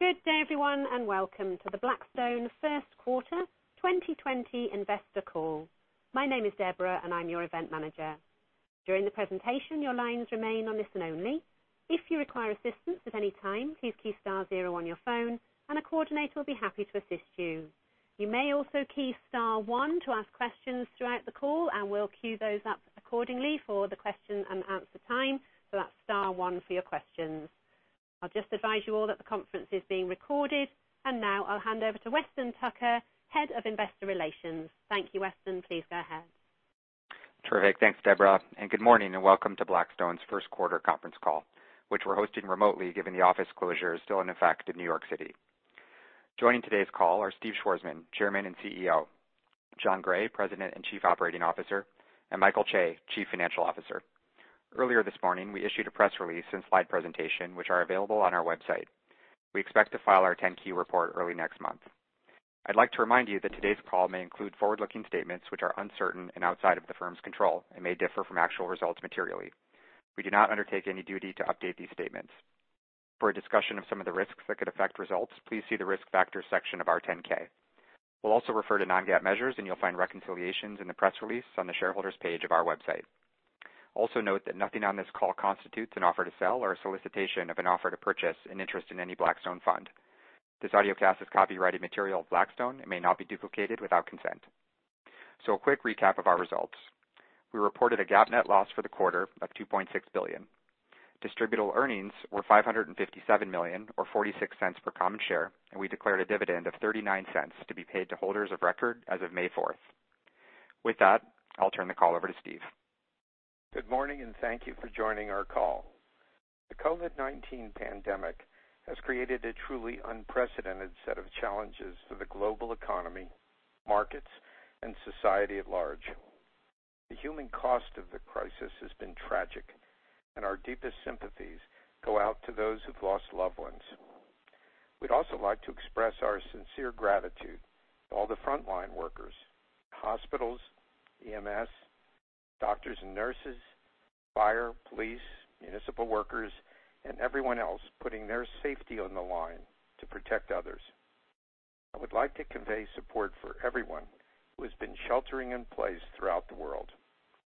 Good day everyone, welcome to the Blackstone first quarter 2020 investor call. My name is Deborah, I'm your event manager. During the presentation, your lines remain on listen only. If you require assistance at any time, please key star zero on your phone, a coordinator will be happy to assist you. You may also key star one to ask questions throughout the call, we'll queue those up accordingly for the question-and-answer time, that's star one for your questions. I'll just advise you all that the conference is being recorded. Now I'll hand over to Weston Tucker, Head of Investor Relations. Thank you, Weston. Please go ahead. Terrific. Thanks, Deborah, and good morning, and welcome to Blackstone's first quarter conference call, which we're hosting remotely given the office closures still in effect in New York City. Joining today's call are Steve Schwarzman, Chairman and CEO, Jon Gray, President and Chief Operating Officer, and Michael Chae, Chief Financial Officer. Earlier this morning, we issued a press release and slide presentation, which are available on our website. We expect to file our 10-Q report early next month. I'd like to remind you that today's call may include forward-looking statements which are uncertain and outside of the firm's control and may differ from actual results materially. We do not undertake any duty to update these statements. For a discussion of some of the risks that could affect results, please see the Risk Factors section of our 10-K. We'll also refer to non-GAAP measures, and you'll find reconciliations in the press release on the shareholders page of our website. Also note that nothing on this call constitutes an offer to sell or a solicitation of an offer to purchase an interest in any Blackstone fund. This audiocast is copyrighted material of Blackstone. It may not be duplicated without consent. A quick recap of our results. We reported a GAAP net loss for the quarter of $2.6 billion. Distributable earnings were $557 million, or $0.46 per common share, and we declared a dividend of $0.39 to be paid to holders of record as of May 4th. With that, I'll turn the call over to Steve. Good morning. Thank you for joining our call. The COVID-19 pandemic has created a truly unprecedented set of challenges for the global economy, markets, and society at large. The human cost of the crisis has been tragic. Our deepest sympathies go out to those who've lost loved ones. We'd also like to express our sincere gratitude to all the frontline workers, hospitals, EMS, doctors and nurses, fire, police, municipal workers, and everyone else putting their safety on the line to protect others. I would like to convey support for everyone who has been sheltering in place throughout the world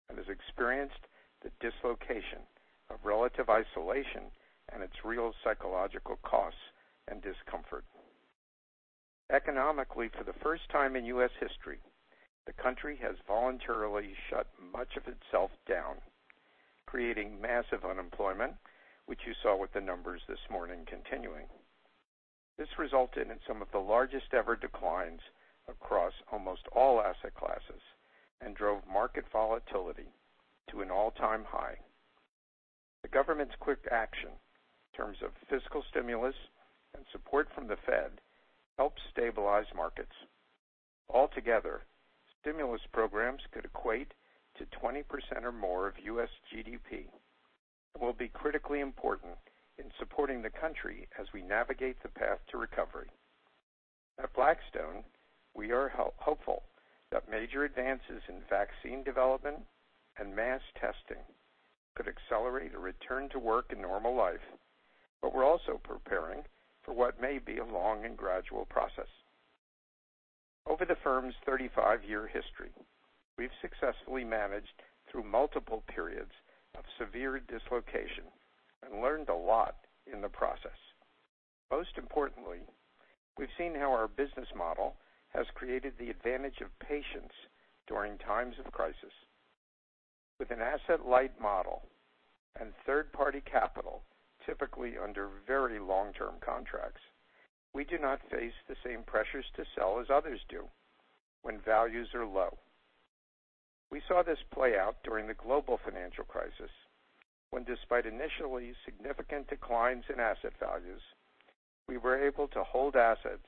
and has experienced the dislocation of relative isolation and its real psychological costs and discomfort. Economically, for the first time in U.S. history, the country has voluntarily shut much of itself down, creating massive unemployment, which you saw with the numbers this morning continuing. This resulted in some of the largest-ever declines across almost all asset classes and drove market volatility to an all-time high. The government's quick action in terms of fiscal stimulus and support from the Fed helped stabilize markets. Altogether, stimulus programs could equate to 20% or more of U.S. GDP, and will be critically important in supporting the country as we navigate the path to recovery. At Blackstone, we are hopeful that major advances in vaccine development and mass testing could accelerate a return to work and normal life. We're also preparing for what may be a long and gradual process. Over the firm's 35-year history, we've successfully managed through multiple periods of severe dislocation and learned a lot in the process. Most importantly, we've seen how our business model has created the advantage of patience during times of crisis. With an asset-light model and third-party capital, typically under very long-term contracts, we do not face the same pressures to sell as others do when values are low. We saw this play out during the global financial crisis, when despite initially significant declines in asset values, we were able to hold assets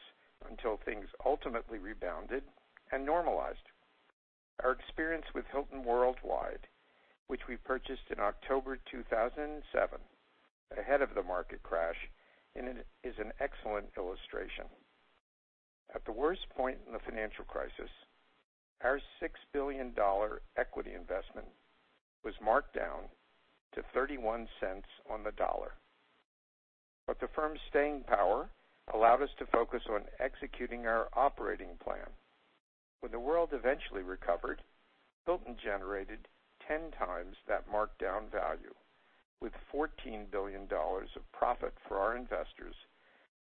until things ultimately rebounded and normalized. Our experience with Hilton Worldwide, which we purchased in October 2007 ahead of the market crash, is an excellent illustration. At the worst point in the financial crisis, our $6 billion equity investment was marked down to $0.31 on the dollar. The firm's staying power allowed us to focus on executing our operating plan. When the world eventually recovered, Hilton generated 10 times that marked-down value, with $14 billion of profit for our investors,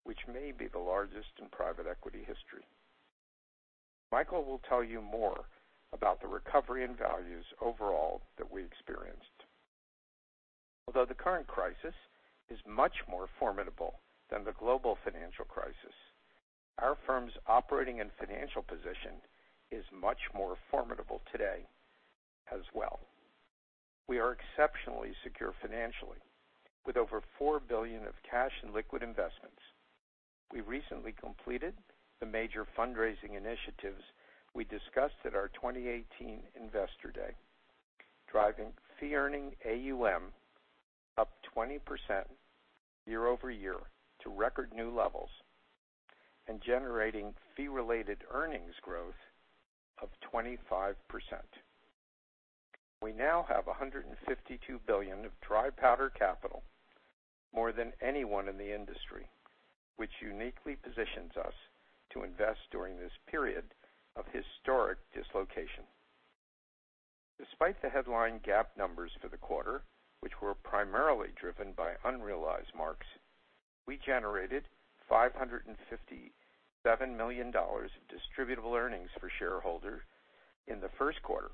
which may be the largest in private equity history. Michael will tell you more about the recovery in values overall that we experienced. Although the current crisis is much more formidable than the global financial crisis, our firm's operating and financial position is much more formidable today as well. We are exceptionally secure financially, with over $4 billion of cash in liquid investments. We recently completed the major fundraising initiatives we discussed at our 2018 Investor Day, driving fee-earning AUM up 20% year-over-year to record new levels and generating fee-related earnings growth of 25%. We now have $152 billion of dry powder capital, more than anyone in the industry, which uniquely positions us to invest during this period of historic dislocation. Despite the headline GAAP numbers for the quarter, which were primarily driven by unrealized marks, we generated $557 million of distributable earnings per shareholder in the first quarter,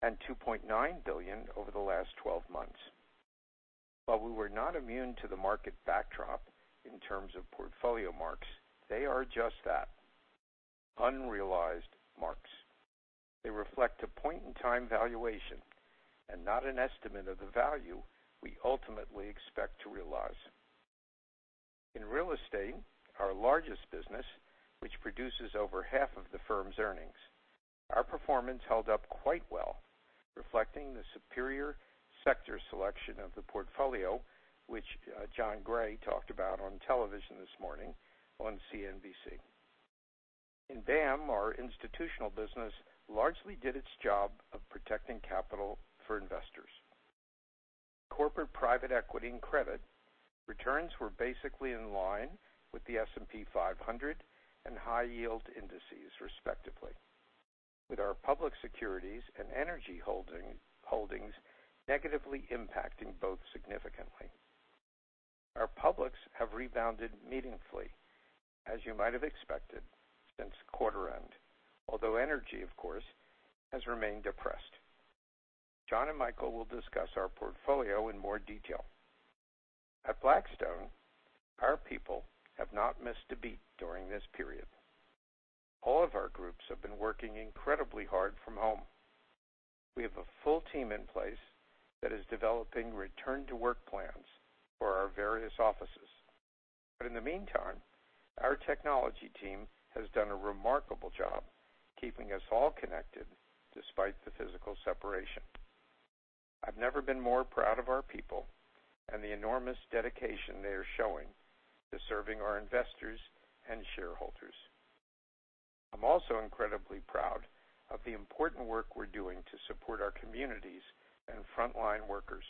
and $2.9 billion over the last 12 months. While we were not immune to the market backdrop in terms of portfolio marks, they are just that, unrealized marks. They reflect a point-in-time valuation and not an estimate of the value we ultimately expect to realize. In real estate, our largest business, which produces over half of the firm's earnings, our performance held up quite well, reflecting the superior sector selection of the portfolio, which Jon Gray talked about on television this morning on CNBC. In BAAM, our institutional business largely did its job of protecting capital for investors. Corporate private equity and credit returns were basically in line with the S&P 500 and high yield indices, respectively, with our public securities and energy holdings negatively impacting both significantly. Our publics have rebounded meaningfully, as you might have expected since quarter end, although energy, of course, has remained depressed. Jon and Michael will discuss our portfolio in more detail. At Blackstone, our people have not missed a beat during this period. All of our groups have been working incredibly hard from home. We have a full team in place that is developing return-to-work plans for our various offices. In the meantime, our technology team has done a remarkable job keeping us all connected despite the physical separation. I've never been more proud of our people and the enormous dedication they are showing to serving our investors and shareholders. I'm also incredibly proud of the important work we're doing to support our communities and frontline workers.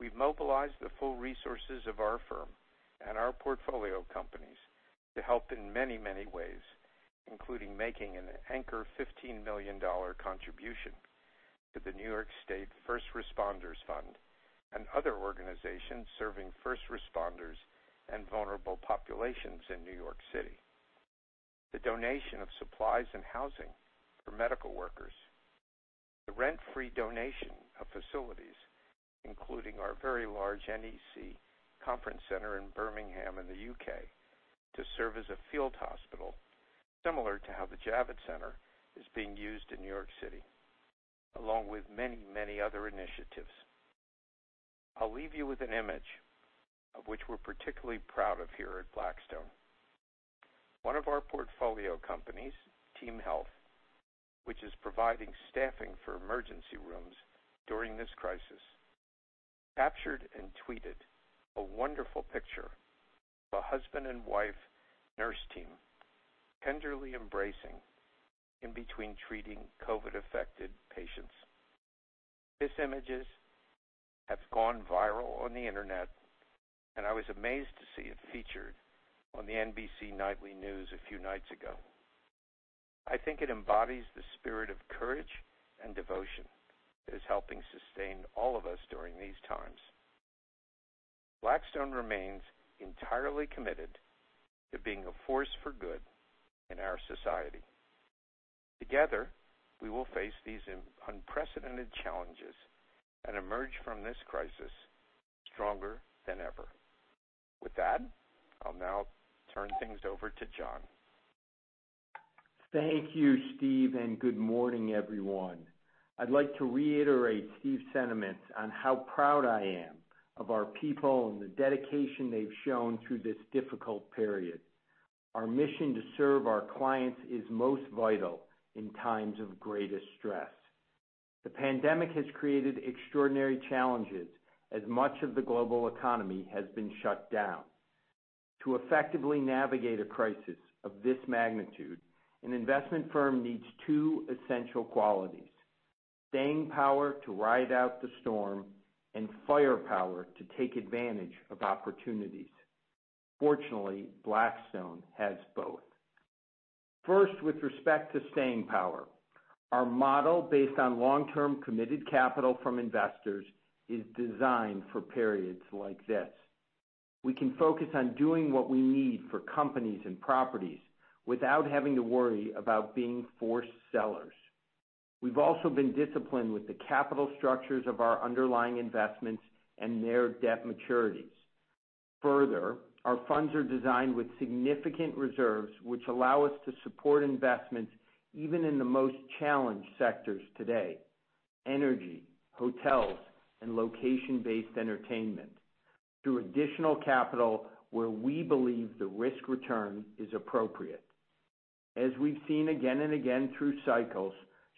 We've mobilized the full resources of our firm and our portfolio companies to help in many ways, including making an anchor $15 million contribution to the New York State First Responders Fund and other organizations serving first responders and vulnerable populations in New York City. The donation of supplies and housing for medical workers. The rent-free donation of facilities, including our very large National Exhibition Centre conference center in Birmingham in the U.K., to serve as a field hospital, similar to how the Javits Center is being used in New York City, along with many other initiatives. I'll leave you with an image of which we're particularly proud of here at Blackstone. One of our portfolio companies, TeamHealth, which is providing staffing for emergency rooms during this crisis, captured and tweeted a wonderful picture of a husband and wife nurse team tenderly embracing in between treating COVID-affected patients. These images have gone viral on the Internet. I was amazed to see it featured on the NBC Nightly News a few nights ago. I think it embodies the spirit of courage and devotion that is helping sustain all of us during these times. Blackstone remains entirely committed to being a force for good in our society. Together, we will face these unprecedented challenges and emerge from this crisis stronger than ever. With that, I'll now turn things over to Jon. Thank you, Steve. Good morning, everyone. I'd like to reiterate Steve's sentiments on how proud I am of our people and the dedication they've shown through this difficult period. Our mission to serve our clients is most vital in times of greatest stress. The pandemic has created extraordinary challenges as much of the global economy has been shut down. To effectively navigate a crisis of this magnitude, an investment firm needs two essential qualities: Staying power to ride out the storm, and firepower to take advantage of opportunities. Fortunately, Blackstone has both. First, with respect to staying power, our model based on long-term committed capital from investors is designed for periods like this. We can focus on doing what we need for companies and properties without having to worry about being forced sellers. We've also been disciplined with the capital structures of our underlying investments, and their debt maturities. Further, our funds are designed with significant reserves, which allow us to support investments even in the most challenged sectors today: energy, hotels, and location-based entertainment, through additional capital where we believe the risk-return is appropriate. As we've seen again and again through cycles,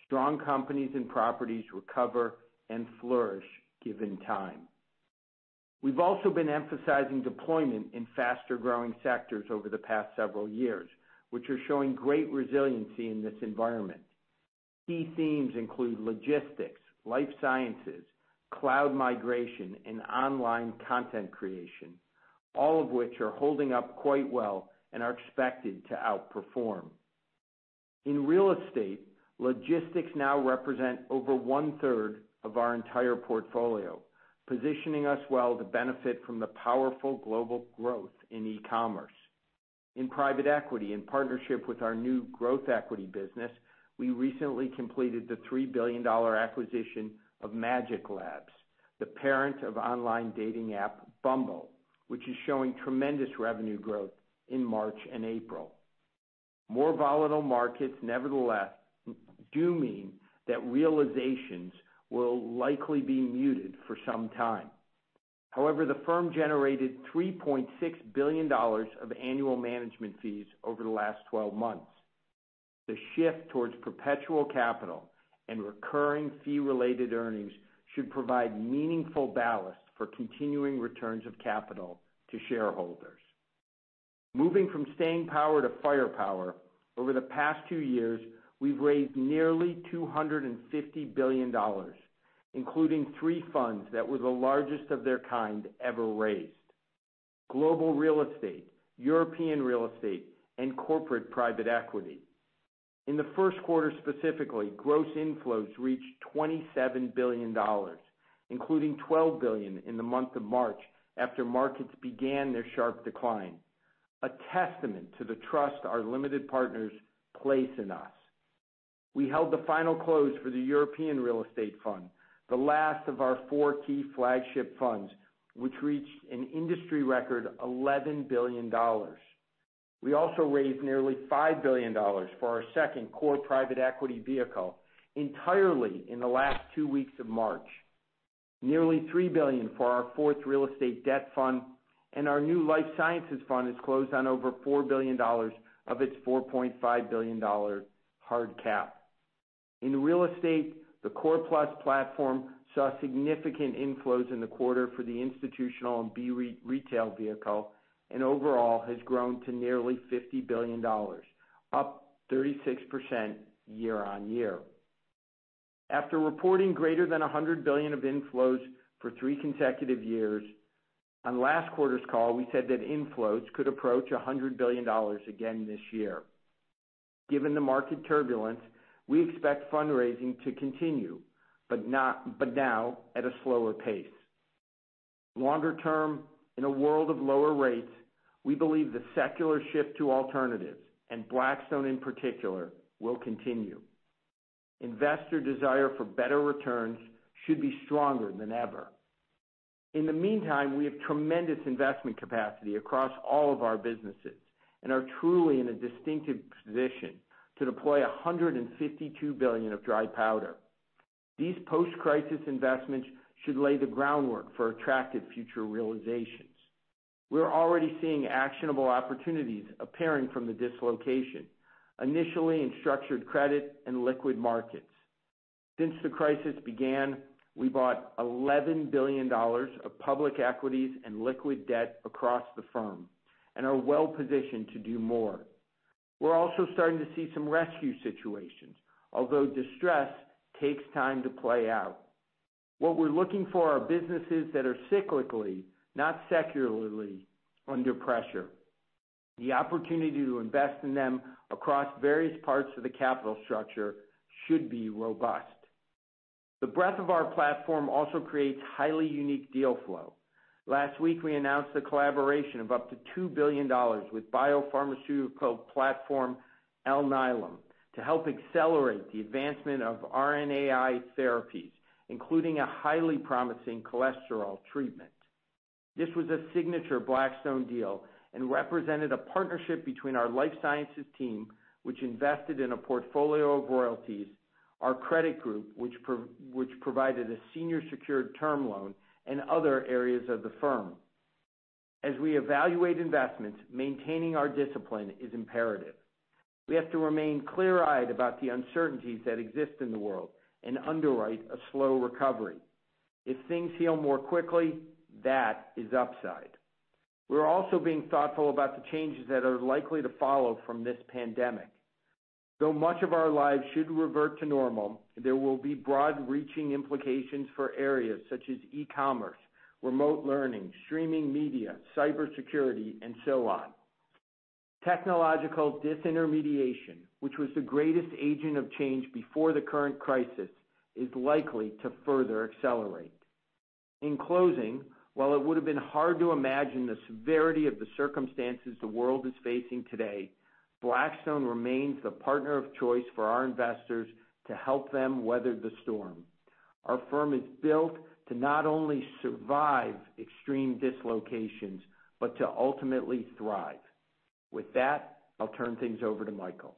strong companies and properties recover and flourish given time. We've also been emphasizing deployment in faster-growing sectors over the past several years, which are showing great resiliency in this environment. Key themes include logistics, life sciences, cloud migration, and online content creation, all of which are holding up quite well and are expected to outperform. In real estate, logistics now represent over 1/3 of our entire portfolio, positioning us well to benefit from the powerful global growth in e-commerce. In private equity, in partnership with our new growth equity business, we recently completed the $3 billion acquisition of MagicLab, the parent of online dating app Bumble, which is showing tremendous revenue growth in March and April. More volatile markets, nevertheless, do mean that realizations will likely be muted for some time. However, the firm generated $3.6 billion of annual management fees over the last 12 months. The shift towards perpetual capital and recurring fee-related earnings should provide meaningful ballast for continuing returns of capital to shareholders. Moving from staying power to firepower, over the past two years, we've raised nearly $250 billion, including three funds that were the largest of their kind ever raised. Global real estate, European real estate, and corporate private equity. In the first quarter specifically, gross inflows reached $27 billion, including $12 billion in the month of March after markets began their sharp decline, a testament to the trust our limited partners place in us. We held the final close for the European Real Estate Fund, the last of our four key flagship funds, which reached an industry record $11 billion. We also raised nearly $5 billion for our second core private equity vehicle entirely in the last two weeks of March. Nearly $3 billion for our fourth real estate debt fund, and our new life sciences fund is closed on over $4 billion of its $4.5 billion hard cap. In real estate, the Core Plus platform saw significant inflows in the quarter for the institutional and BREIT retail vehicle, and overall has grown to nearly $50 billion, up 36% year-on-year. After reporting greater than $100 billion of inflows for three consecutive years, on last quarter's call, we said that inflows could approach $100 billion again this year. Given the market turbulence, we expect fundraising to continue, but now at a slower pace. Longer term, in a world of lower rates, we believe the secular shift to alternatives, and Blackstone in particular, will continue. Investor desire for better returns should be stronger than ever. In the meantime, we have tremendous investment capacity across all of our businesses and are truly in a distinctive position to deploy $152 billion of dry powder. These post-crisis investments should lay the groundwork for attractive future realizations. We're already seeing actionable opportunities appearing from the dislocation, initially in structured credit and liquid markets. Since the crisis began, we bought $11 billion of public equities and liquid debt across the firm and are well positioned to do more. We're also starting to see some rescue situations, although distress takes time to play out. What we're looking for are businesses that are cyclically, not secularly, under pressure. The opportunity to invest in them across various parts of the capital structure should be robust. The breadth of our platform also creates highly unique deal flow. Last week, we announced the collaboration of up to $2 billion with biopharmaceutical platform Alnylam to help accelerate the advancement of RNAi therapies, including a highly promising cholesterol treatment. This was a signature Blackstone deal and represented a partnership between our life sciences team, which invested in a portfolio of royalties, our credit group, which provided a senior secured term loan, and other areas of the firm. As we evaluate investments, maintaining our discipline is imperative. We have to remain clear-eyed about the uncertainties that exist in the world and underwrite a slow recovery. If things heal more quickly, that is upside. We're also being thoughtful about the changes that are likely to follow from this pandemic. Though much of our lives should revert to normal, there will be broad-reaching implications for areas such as e-commerce, remote learning, streaming media, cybersecurity, and so on. Technological disintermediation, which was the greatest agent of change before the current crisis, is likely to further accelerate. In closing, while it would have been hard to imagine the severity of the circumstances the world is facing today, Blackstone remains the partner of choice for our investors to help them weather the storm. Our firm is built to not only survive extreme dislocations but to ultimately thrive. With that, I'll turn things over to Michael.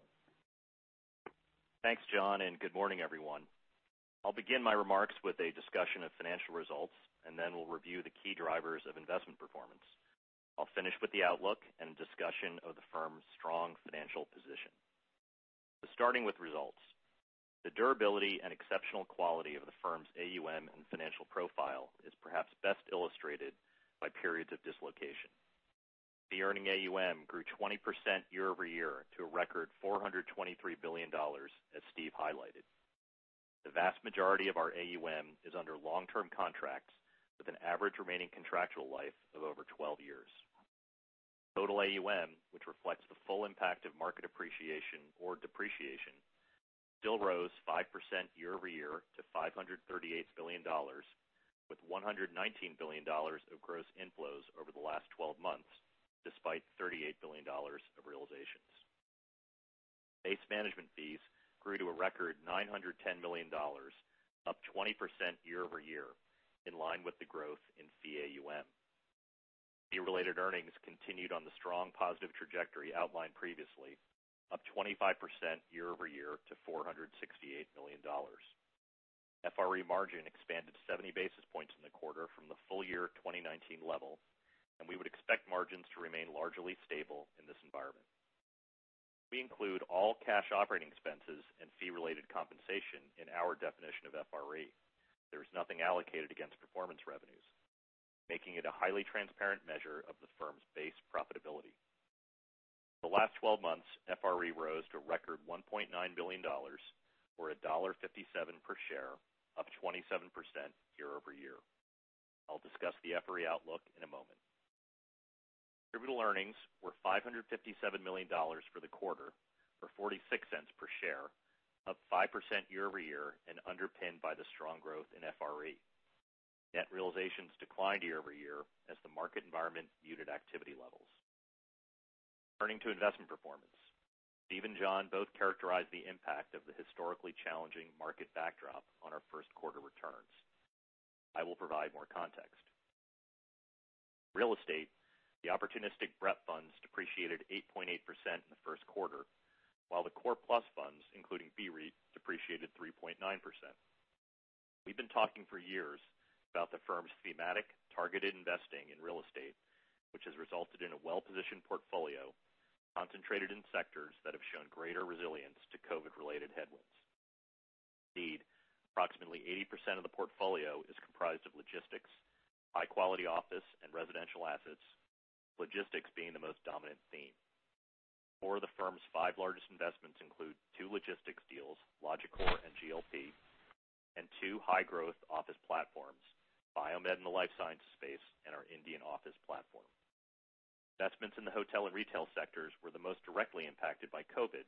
Thanks, Jon. Good morning, everyone. I'll begin my remarks with a discussion of financial results. Then we'll review the key drivers of investment performance. I'll finish with the outlook and discussion of the firm's strong financial position. Starting with results. The durability and exceptional quality of the firm's AUM and financial profile is perhaps best illustrated by periods of dislocation. The earning AUM grew 20% year-over-year to a record $423 billion, as Steve highlighted. The vast majority of our AUM is under long-term contracts with an average remaining contractual life of over 12 years. Total AUM, which reflects the full impact of market appreciation or depreciation, still rose 5% year-over-year to $538 billion, with $119 billion of gross inflows over the last 12 months, despite $38 billion of realizations. Base management fees grew to a record $910 million, up 20% year-over-year, in line with the growth in fee AUM. Fee-related earnings continued on the strong positive trajectory outlined previously, up 25% year-over-year to $468 million. FRE margin expanded 70 basis points in the quarter from the full year 2019 level, we would expect margins to remain largely stable in this environment. We include all cash operating expenses and fee-related compensation in our definition of FRE. There is nothing allocated against performance revenues, making it a highly transparent measure of the firm's base profitability. For the last 12 months, FRE rose to a record $1.9 billion, or $1.57 per share, up 27% year-over-year. I'll discuss the FRE outlook in a moment. Attributable earnings were $557 million for the quarter, or $0.46 per share, up 5% year-over-year and underpinned by the strong growth in FRE. Net realizations declined year-over-year as the market environment muted activity levels. Turning to investment performance. Steve and Jon both characterized the impact of the historically challenging market backdrop on our first quarter returns. I will provide more context. Real estate, the opportunistic BREP funds depreciated 8.8% in the first quarter, while the Core Plus funds, including BREIT, depreciated 3.9%. We've been talking for years about the firm's thematic targeted investing in real estate, which has resulted in a well-positioned portfolio concentrated in sectors that have shown greater resilience to COVID-related headwinds. Indeed, approximately 80% of the portfolio is comprised of logistics, high-quality office, and residential assets, logistics being the most dominant theme. Four of the firm's five largest investments include two logistics deals, Logicor and GLP, and two high-growth office platforms, BioMed in the life sciences space, and our Indian office platform. Investments in the hotel and retail sectors were the most directly impacted by COVID,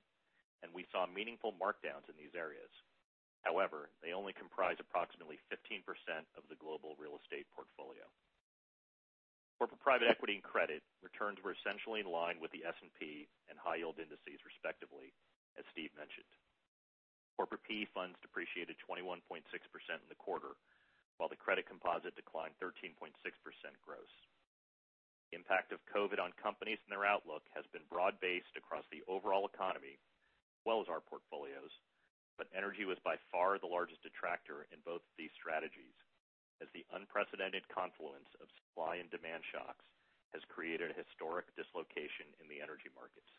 and we saw meaningful markdowns in these areas. However, they only comprise approximately 15% of the global real estate portfolio. Corporate private equity and credit returns were essentially in line with the S&P and high yield indices, respectively, as Steve mentioned. Corporate PE funds depreciated 21.6% in the quarter, while the credit composite declined 13.6% gross. The impact of COVID on companies and their outlook has been broad-based across the overall economy, as well as our portfolios. Energy was by far the largest detractor in both of these strategies, as the unprecedented confluence of supply and demand shocks has created a historic dislocation in the energy markets.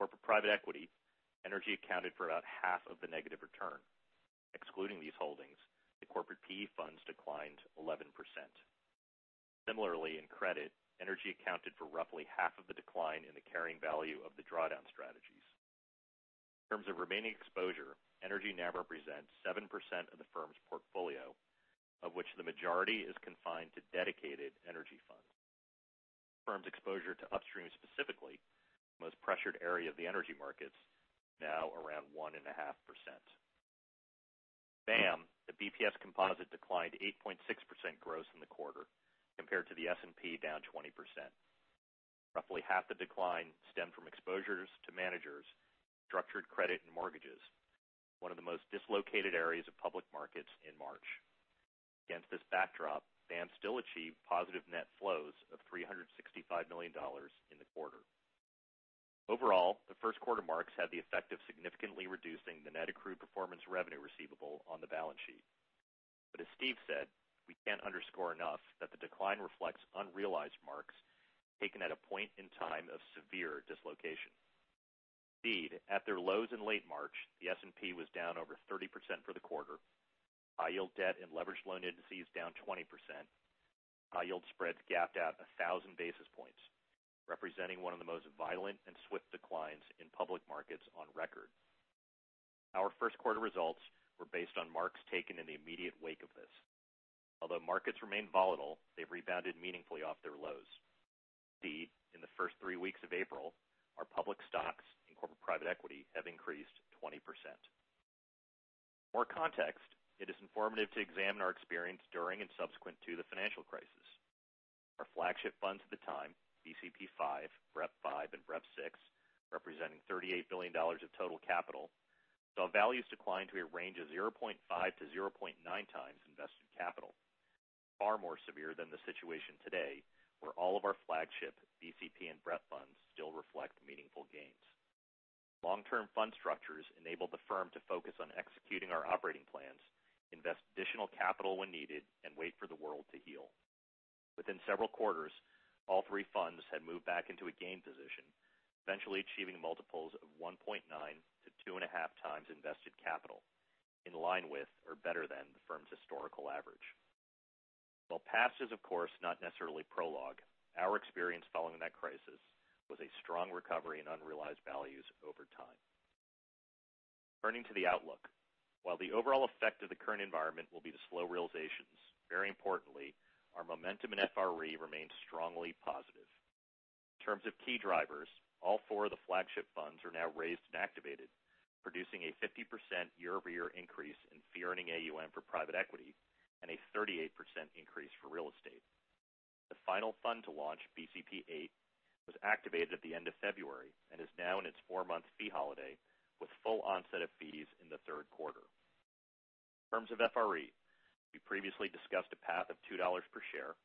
Corporate private equity, energy accounted for about half of the negative return. Excluding these holdings, the corporate PE funds declined 11%. Similarly, in credit, energy accounted for roughly half of the decline in the carrying value of the drawdown strategies. In terms of remaining exposure, energy now represents 7% of the firm's portfolio, of which the majority is confined to dedicated energy funds. The firm's exposure to upstream specifically, the most pressured area of the energy markets, now around 1.5%. BAAM, the BPS composite declined 8.6% gross in the quarter compared to the S&P down 20%. Roughly half the decline stemmed from exposures to managers, structured credit, and mortgages, one of the most dislocated areas of public markets in March. Against this backdrop, BAAM still achieved positive net flows of $365 million in the quarter. Overall, the first quarter marks had the effect of significantly reducing the net accrued performance revenue receivable on the balance sheet. As Steve said, we can't underscore enough that the decline reflects unrealized marks taken at a point in time of severe dislocation. Indeed, at their lows in late March, the S&P was down over 30% for the quarter. High yield debt and leveraged loan indices down 20%. High yield spreads gapped out 1,000 basis points, representing one of the most violent and swift declines in public markets on record. Our first quarter results were based on marks taken in the immediate wake of this. Although markets remain volatile, they've rebounded meaningfully off their lows. In the first three weeks of April, our public stocks and corporate private equity have increased 20%. For context, it is informative to examine our experience during and subsequent to the financial crisis. Our flagship funds at the time, BCP V, BREP V, and BREP VI, representing $38 billion of total capital, saw values decline to a range of 0.5x-0.9x invested capital. Far more severe than the situation today, where all of our flagship BCP and BREP funds still reflect meaningful gains. Long-term fund structures enable the firm to focus on executing our operating plans, invest additional capital when needed, and wait for the world to heal. Within several quarters, all three funds had moved back into a gain position, eventually achieving multiples of 1.9x-2.5x invested capital, in line with or better than the firm's historical average. While past is, of course, not necessarily prologue, our experience following that crisis was a strong recovery in unrealized values over time. Turning to the outlook, while the overall effect of the current environment will be to slow realizations, very importantly, our momentum in FRE remains strongly positive. In terms of key drivers, all four of the flagship funds are now raised and activated, producing a 50% year-over-year increase in fee-earning AUM for private equity, and a 38% increase for real estate. The final fund to launch, BCP VIII, was activated at the end of February and is now in its four-month fee holiday, with full onset of fees in the third quarter. In terms of FRE, we previously discussed a path of $2 per share,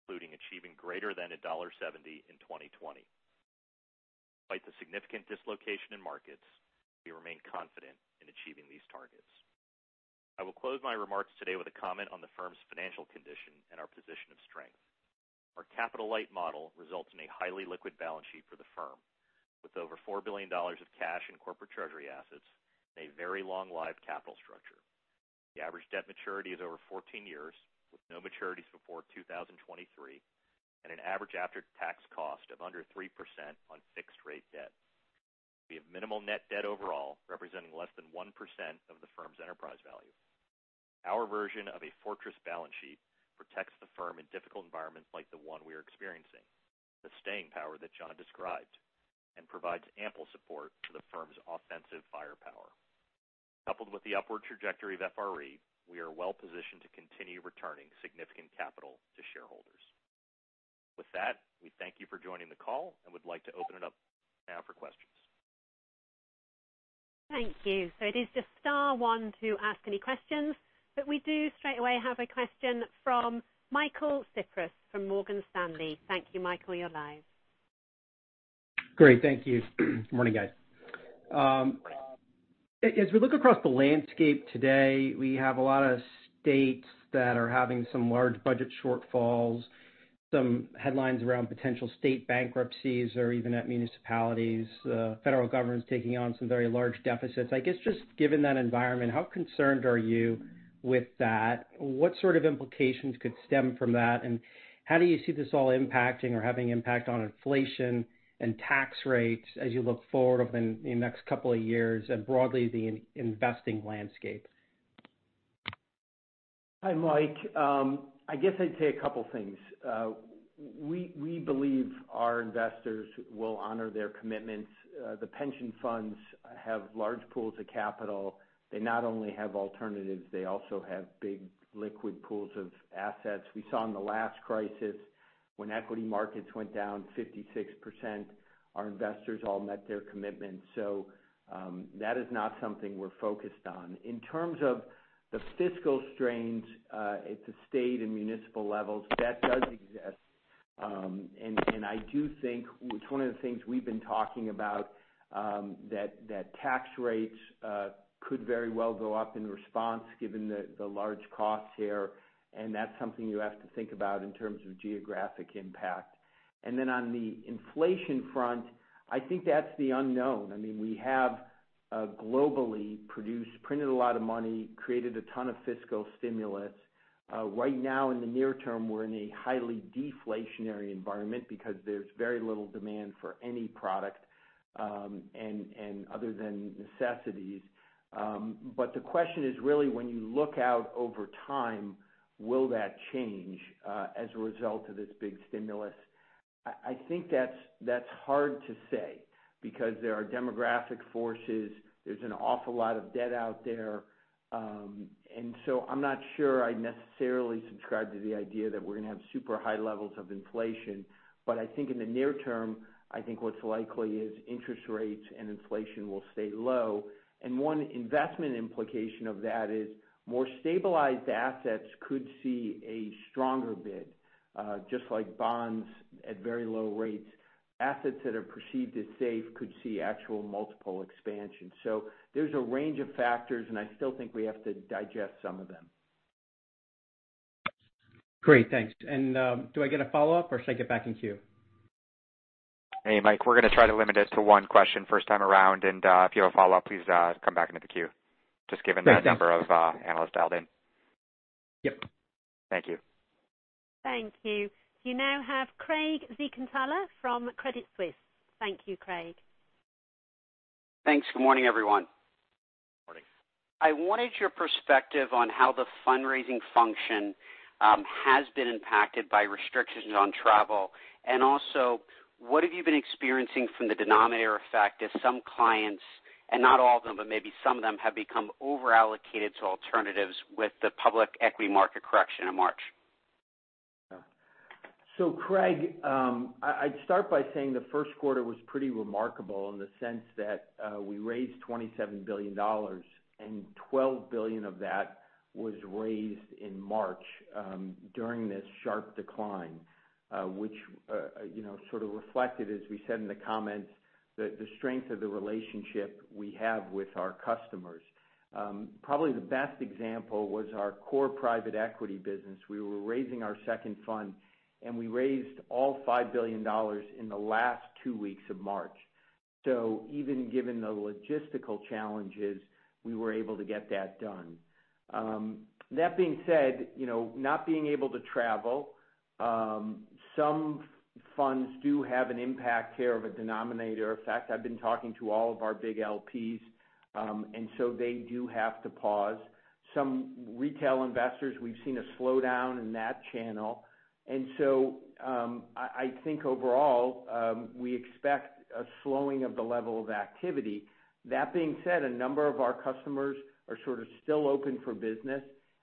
including achieving greater than $1.70 in 2020. Despite the significant dislocation in markets, we remain confident in achieving these targets. I will close my remarks today with a comment on the firm's financial condition and our position of strength. Our capital-light model results in a highly liquid balance sheet for the firm, with over $4 billion of cash in corporate treasury assets and a very long-lived capital structure. The average debt maturity is over 14 years, with no maturities before 2023, and an average after-tax cost of under 3% on fixed-rate debt. We have minimal net debt overall, representing less than 1% of the firm's enterprise value. Our version of a fortress balance sheet protects the firm in difficult environments like the one we are experiencing, the staying power that Jon described, and provides ample support to the firm's offensive firepower. Coupled with the upward trajectory of FRE, we are well-positioned to continue returning significant capital to shareholders. With that, we thank you for joining the call and would like to open it up now for questions. Thank you. It is just star one to ask any questions. We do straight away have a question from Michael Cyprys from Morgan Stanley. Thank you, Michael. You're live. Great. Thank you. Morning, guys. As we look across the landscape today, we have a lot of states that are having some large budget shortfalls, some headlines around potential state bankruptcies or even at municipalities, federal government's taking on some very large deficits. I guess just given that environment, how concerned are you with that? What sort of implications could stem from that, how do you see this all impacting or having impact on inflation and tax rates as you look forward over the next couple of years and broadly the investing landscape? Hi, Mike. I guess I'd say a couple things. We believe our investors will honor their commitments. The pension funds have large pools of capital. They not only have alternatives, they also have big liquid pools of assets. We saw in the last crisis when equity markets went down 56%, our investors all met their commitments. That is not something we're focused on. In terms of the fiscal strains at the state and municipal levels, that does exist. I do think it's one of the things we've been talking about, that tax rates could very well go up in response given the large costs here, and that's something you have to think about in terms of geographic impact. On the inflation front, I think that's the unknown. We have globally produced, printed a lot of money, created a ton of fiscal stimulus. Right now in the near term, we're in a highly deflationary environment because there's very little demand for any product other than necessities. The question is really when you look out over time, will that change as a result of this big stimulus? I think that's hard to say because there are demographic forces. There's an awful lot of debt out there. I'm not sure I necessarily subscribe to the idea that we're going to have super high levels of inflation. I think in the near term, I think what's likely is interest rates and inflation will stay low. One investment implication of that is more stabilized assets could see a stronger bid. Just like bonds at very low rates, assets that are perceived as safe could see actual multiple expansion. There's a range of factors, and I still think we have to digest some of them. Great, thanks. Do I get a follow-up or should I get back in queue? Hey, Mike, we're going to try to limit it to one question first time around. If you have a follow-up, please come back into the queue, just given the number of analysts dialed in. Yep. Thank you. Thank you. You now have Craig Siegenthaler from Credit Suisse. Thank you, Craig. Thanks. Good morning, everyone. Morning. I wanted your perspective on how the fundraising function has been impacted by restrictions on travel. Also, what have you been experiencing from the denominator effect as some clients, and not all of them, but maybe some of them, have become over-allocated to alternatives with the public equity market correction in March? Craig, I'd start by saying the first quarter was pretty remarkable in the sense that we raised $27 billion, and $12 billion of that was raised in March, during this sharp decline. Which sort of reflected, as we said in the comments, the strength of the relationship we have with our customers. Probably the best example was our core private equity business. We were raising our second fund, and we raised all $5 billion in the last two weeks of March. Even given the logistical challenges, we were able to get that done. That being said, not being able to travel, some funds do have an impact here of a denominator effect. I've been talking to all of our big LPs, and so they do have to pause. Some retail investors, we've seen a slowdown in that channel. I think overall, we expect a slowing of the level of activity. That being said, a number of our customers are sort of still open for business,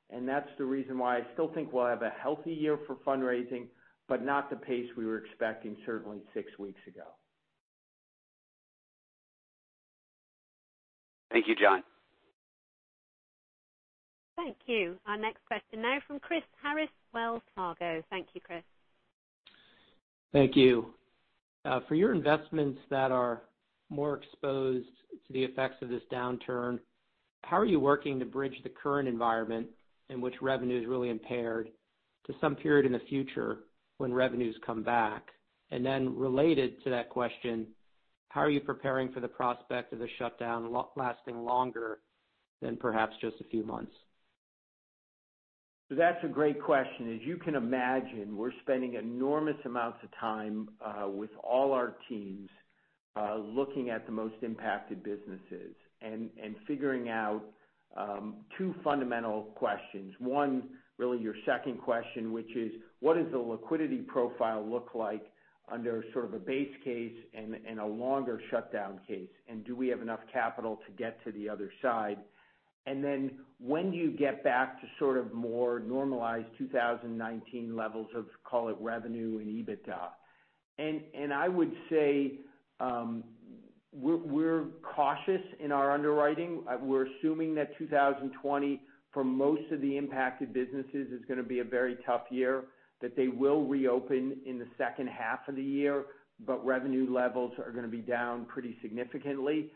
and that's the reason why I still think we'll have a healthy year for fundraising, but not the pace we were expecting certainly six weeks ago. Thank you, Jon. Thank you. Our next question now from Chris Harris, Wells Fargo. Thank you, Chris. Thank you. For your investments that are more exposed to the effects of this downturn, how are you working to bridge the current environment in which revenue is really impaired to some period in the future when revenues come back? Related to that question, how are you preparing for the prospect of the shutdown lasting longer than perhaps just a few months? That's a great question. As you can imagine, we're spending enormous amounts of time with all our teams, looking at the most impacted businesses and figuring out two fundamental questions. One, really your second question, which is, what does the liquidity profile look like under sort of a base case and a longer shutdown case, and do we have enough capital to get to the other side? When do you get back to sort of more normalized 2019 levels of call it revenue and EBITDA? I would say we're cautious in our underwriting. We're assuming that 2020 for most of the impacted businesses is going to be a very tough year, that they will reopen in the second half of the year, but revenue levels are going to be down pretty significantly.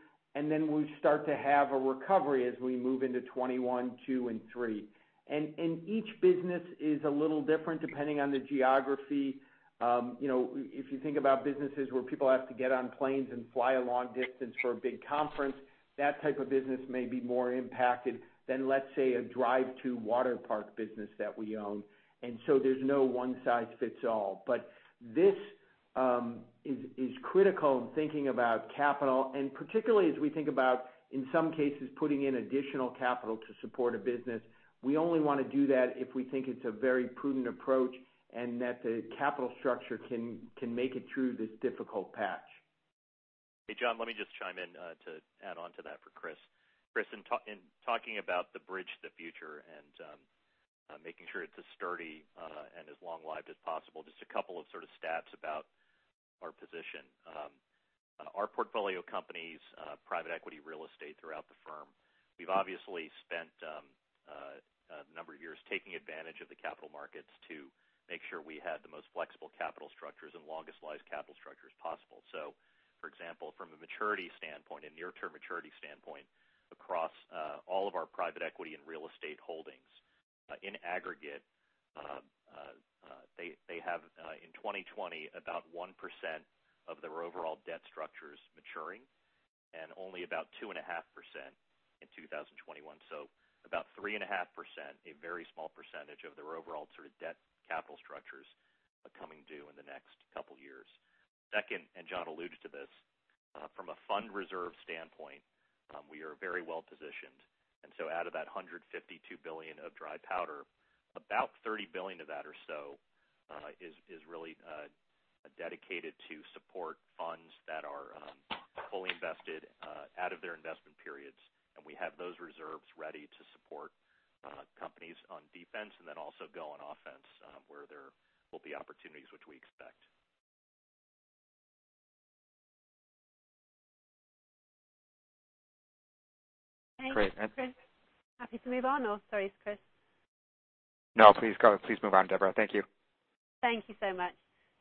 We start to have a recovery as we move into 2021, 2022, and 2023. Each business is a little different depending on the geography. If you think about businesses where people have to get on planes and fly a long distance for a big conference, that type of business may be more impacted than, let's say, a drive-to water park business that we own. There's no one size fits all. This is critical in thinking about capital, and particularly as we think about, in some cases, putting in additional capital to support a business. We only want to do that if we think it's a very prudent approach and that the capital structure can make it through this difficult patch. Hey, Jon, let me just chime in to add on to that for Chris. Chris, in talking about the bridge to the future and making sure it's as sturdy and as long-lived as possible, just a couple of sort of stats about our position. Our portfolio companies, private equity real estate throughout the firm, we've obviously spent a number of years taking advantage of the capital markets to make sure we had the most flexible capital structures and longest-lived capital structures possible. For example, from a maturity standpoint, a near-term maturity standpoint, across all of our private equity and real estate holdings, in aggregate they have in 2020, about 1% of their overall debt structures maturing and only about 2.5% in 2021. About 3.5%, a very small percentage of their overall sort of debt capital structures are coming due in the next couple of years. Second, Jon alluded to this, from a fund reserve standpoint, we are very well positioned. So out of that $152 billion of dry powder, about $30 billion of that or so is really dedicated to support funds that are fully invested out of their investment periods. We have those reserves ready to support companies on defense and then also go on offense where there will be opportunities, which we expect. Thanks, Chris. Happy to move on, or sorry, Chris? No, please move on, Deborah. Thank you. Thank you so much.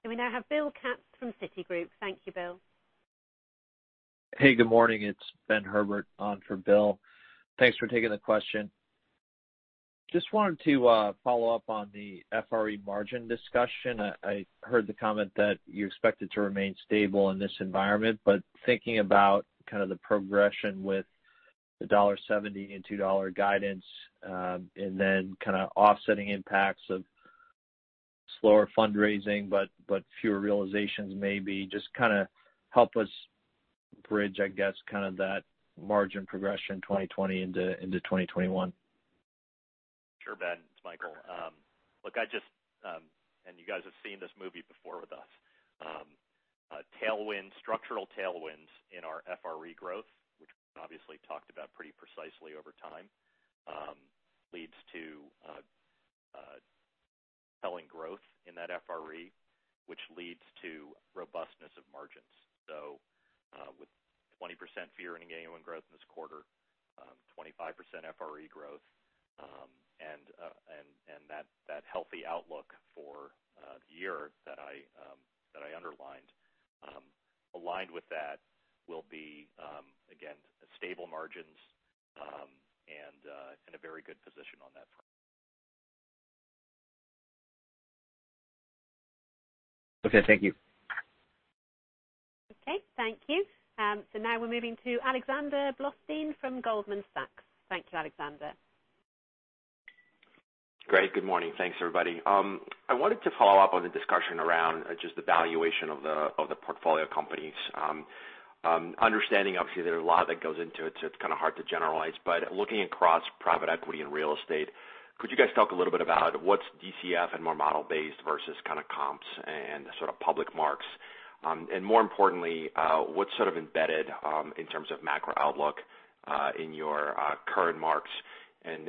We now have Bill Katz from Citigroup. Thank you, Bill. Hey, good morning. It's Ben Herbert on for Bill. Thanks for taking the question. Wanted to follow up on the FRE margin discussion. I heard the comment that you expect it to remain stable in this environment, but thinking about kind of the progression with the $1.70 and $2 guidance, and then kind of offsetting impacts of slower fundraising, but fewer realizations maybe, just kind of help us bridge, I guess, kind of that margin progression 2020 into 2021. Sure, Ben. It's Michael. Look, you guys have seen this movie before with us. Structural tailwinds in our FRE growth, which we've obviously talked about pretty precisely over time, leads to compelling growth in that FRE, which leads to robustness of margins. With 20% fee earning AUM growth this quarter, 25% FRE growth, and that healthy outlook for the year that I underlined. Aligned with that will be, again, stable margins and a very good position on that front. Okay, thank you. Okay, thank you. Now we're moving to Alexander Blostein from Goldman Sachs. Thank you, Alexander. Great. Good morning. Thanks, everybody. I wanted to follow up on the discussion around just the valuation of the portfolio companies. Understanding, obviously, there's a lot that goes into it's kind of hard to generalize. Looking across private equity and real estate, could you guys talk a little bit about what's DCF and more model-based versus kind of comps and sort of public marks? More importantly, what's sort of embedded, in terms of macro outlook, in your current marks?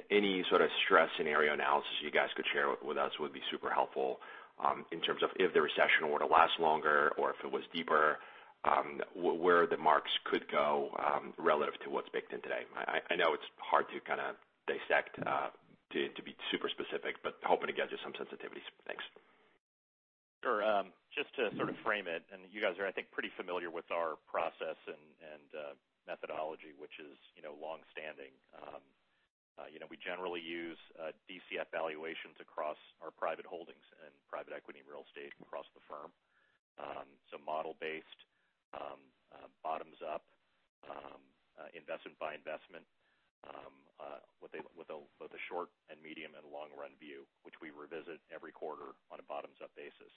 Any sort of stress scenario analysis you guys could share with us would be super helpful, in terms of if the recession were to last longer or if it was deeper, where the marks could go, relative to what's baked in today. I know it's hard to kind of dissect to be super specific, hoping to get just some sensitivity. Thanks. Sure. Just to sort of frame it, you guys are, I think, pretty familiar with our process and methodology, which is long-standing. We generally use DCF valuations across our private holdings in private equity and real estate across the firm. Model-based, bottoms-up, investment-by-investment, with a short and medium and long run view, which we revisit every quarter on a bottoms-up basis.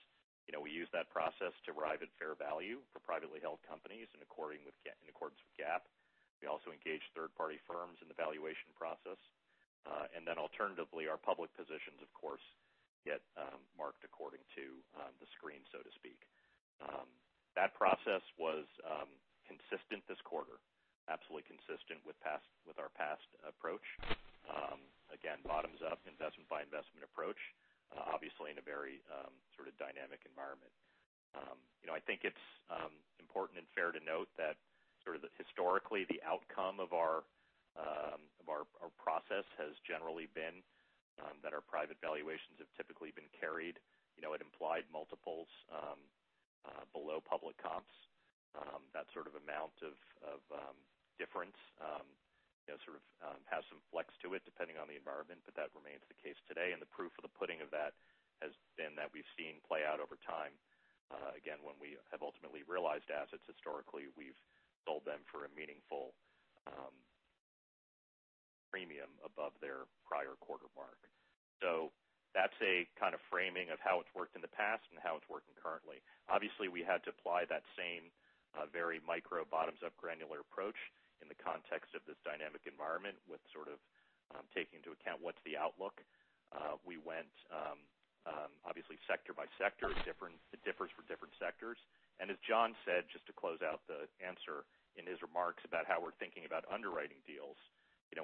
We use that process to arrive at fair value for privately held companies in accordance with GAAP. We also engage third-party firms in the valuation process. Alternatively, our public positions, of course, get marked according to the screen, so to speak. That process was consistent this quarter, absolutely consistent with our past approach. Again, bottoms-up, investment-by-investment approach. Obviously, in a very sort of dynamic environment. I think it's important and fair to note that sort of historically, the outcome of our process has generally been that our private valuations have typically been carried at implied multiples below public comps. That sort of amount of difference has some flex to it depending on the environment, but that remains the case today, and the proof of the pudding of that has been that we've seen play out over time. Again, when we have ultimately realized assets, historically, we've sold them for a meaningful premium above their prior quarter mark. That's a kind of framing of how it's worked in the past and how it's working currently. Obviously, we had to apply that same very micro bottoms-up granular approach in the context of this dynamic environment with sort of taking into account what's the outlook. We went, obviously, sector by sector. It differs for different sectors. As Jon said, just to close out the answer in his remarks about how we're thinking about underwriting deals,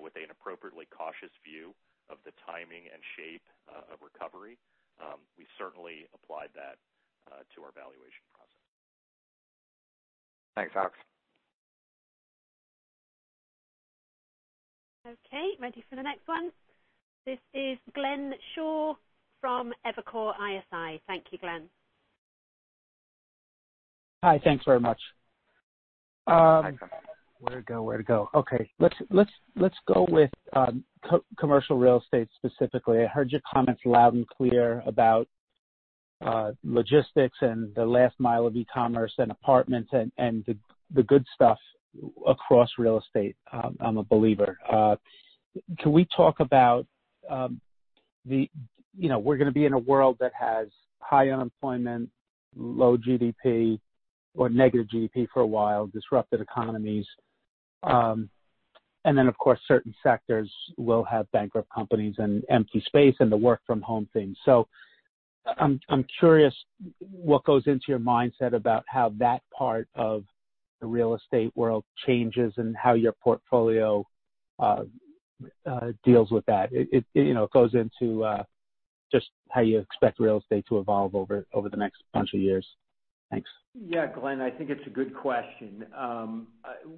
with an appropriately cautious view of the timing and shape of recovery. We certainly applied that to our valuation process. Thanks, Alex. Okay, ready for the next one. This is Glenn Schorr from Evercore ISI. Thank you, Glenn. Hi. Thanks very much. Where to go? Okay. Let's go with commercial real estate specifically. I heard your comments loud and clear about logistics and the last mile of e-commerce and apartments and the good stuff across real estate. I'm a believer. Can we talk about we're going to be in a world that has high unemployment, low GDP or negative GDP for a while, disrupted economies. Of course, certain sectors will have bankrupt companies and empty space and the work from home thing. I'm curious what goes into your mindset about how that part of the real estate world changes and how your portfolio deals with that. It goes into just how you expect real estate to evolve over the next bunch of years. Thanks. Yeah, Glenn, I think it's a good question.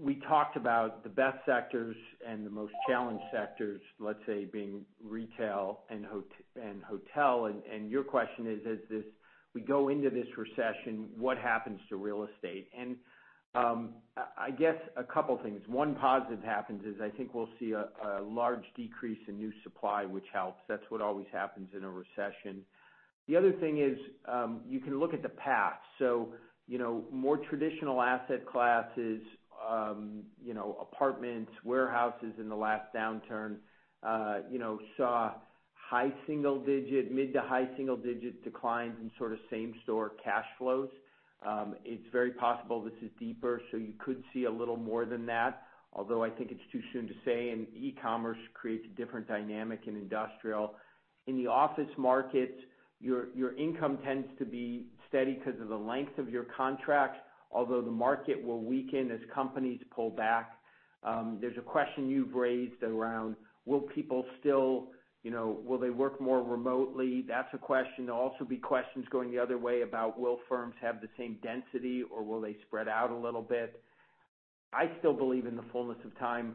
We talked about the best sectors and the most challenged sectors, let's say, being retail and hotel. Your question is, as we go into this recession, what happens to real estate? I guess a couple things. One positive happens is I think we'll see a large decrease in new supply, which helps. That's what always happens in a recession. The other thing is, you can look at the past. More traditional asset classes, apartments, warehouses in the last downturn saw high single digit, mid to high single digit declines in sort of same store cash flows. It's very possible this is deeper, so you could see a little more than that, although I think it's too soon to say. E-commerce creates a different dynamic in industrial. In the office markets, your income tends to be steady because of the length of your contract, although the market will weaken as companies pull back. There's a question you've raised around will people still work more remotely? That's a question. There'll also be questions going the other way about will firms have the same density or will they spread out a little bit? I still believe in the fullness of time,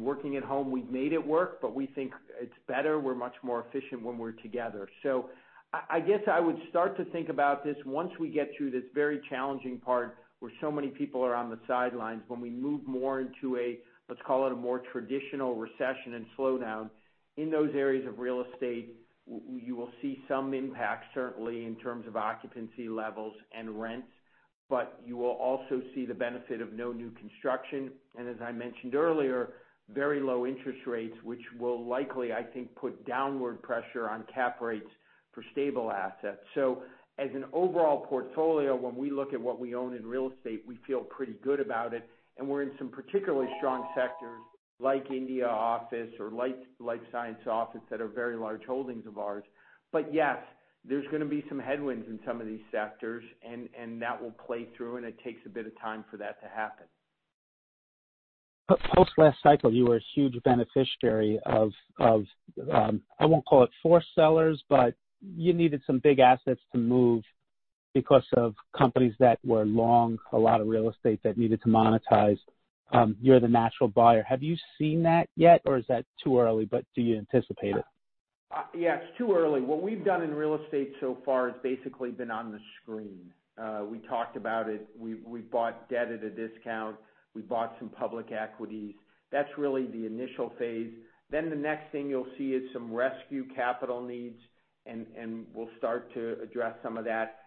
working at home, we've made it work, but we think it's better, we're much more efficient when we're together. I guess I would start to think about this once we get through this very challenging part where so many people are on the sidelines. When we move more into a, let's call it a more traditional recession and slowdown. In those areas of real estate, you will see some impact, certainly in terms of occupancy levels and rents, but you will also see the benefit of no new construction. As I mentioned earlier, very low interest rates, which will likely, I think, put downward pressure on cap rates for stable assets. As an overall portfolio, when we look at what we own in real estate, we feel pretty good about it. We're in some particularly strong sectors like India office or life science office that are very large holdings of ours. Yes, there's going to be some headwinds in some of these sectors and that will play through, and it takes a bit of time for that to happen. Post last cycle, you were a huge beneficiary of, I won't call it forced sellers, you needed some big assets to move because of companies that were long, a lot of real estate that needed to monetize. You're the natural buyer. Have you seen that yet or is that too early, do you anticipate it? Yeah. It's too early. What we've done in real estate so far has basically been on the screen. We talked about it. We bought debt at a discount. We bought some public equities. That's really the initial phase. The next thing you'll see is some rescue capital needs, and we'll start to address some of that.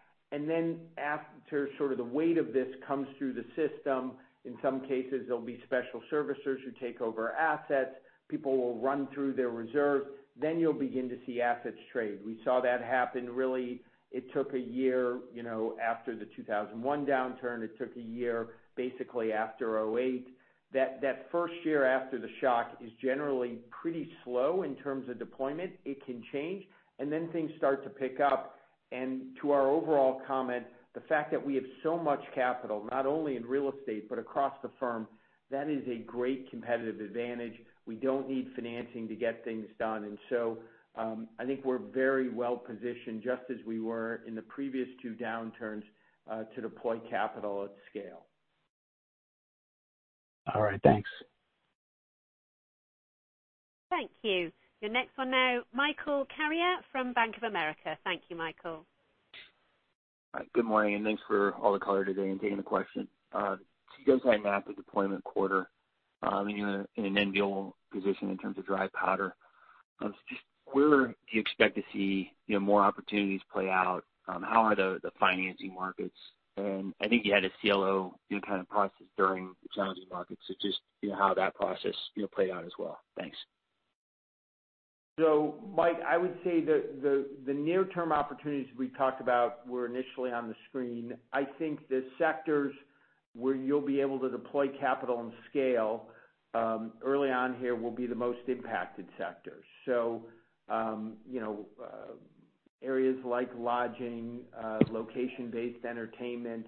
After the weight of this comes through the system, in some cases, there'll be special servicers who take over assets. People will run through their reserves. You'll begin to see assets trade. We saw that happen, really, it took a year after the 2001 downturn. It took a year, basically, after 2008. That first year after the shock is generally pretty slow in terms of deployment. It can change, things start to pick up. To our overall comment, the fact that we have so much capital, not only in real estate, but across the firm, that is a great competitive advantage. We don't need financing to get things done. I think we're very well-positioned, just as we were in the previous two downturns, to deploy capital at scale. All right. Thanks. Thank you. You're next one now, Michael Carrier from Bank of America. Thank you, Michael. Good morning, and thanks for all the color today and taking the question. You guys had a massive deployment quarter, in an enviable position in terms of dry powder. Where do you expect to see more opportunities play out? How are the financing markets? I think you had a CLO kind of process during the challenging market. Just how that process played out as well. Thanks. Mike, I would say the near-term opportunities we talked about were initially on the screen. I think the sectors where you'll be able to deploy capital and scale early on here will be the most impacted sectors. Areas like lodging, location-based entertainment,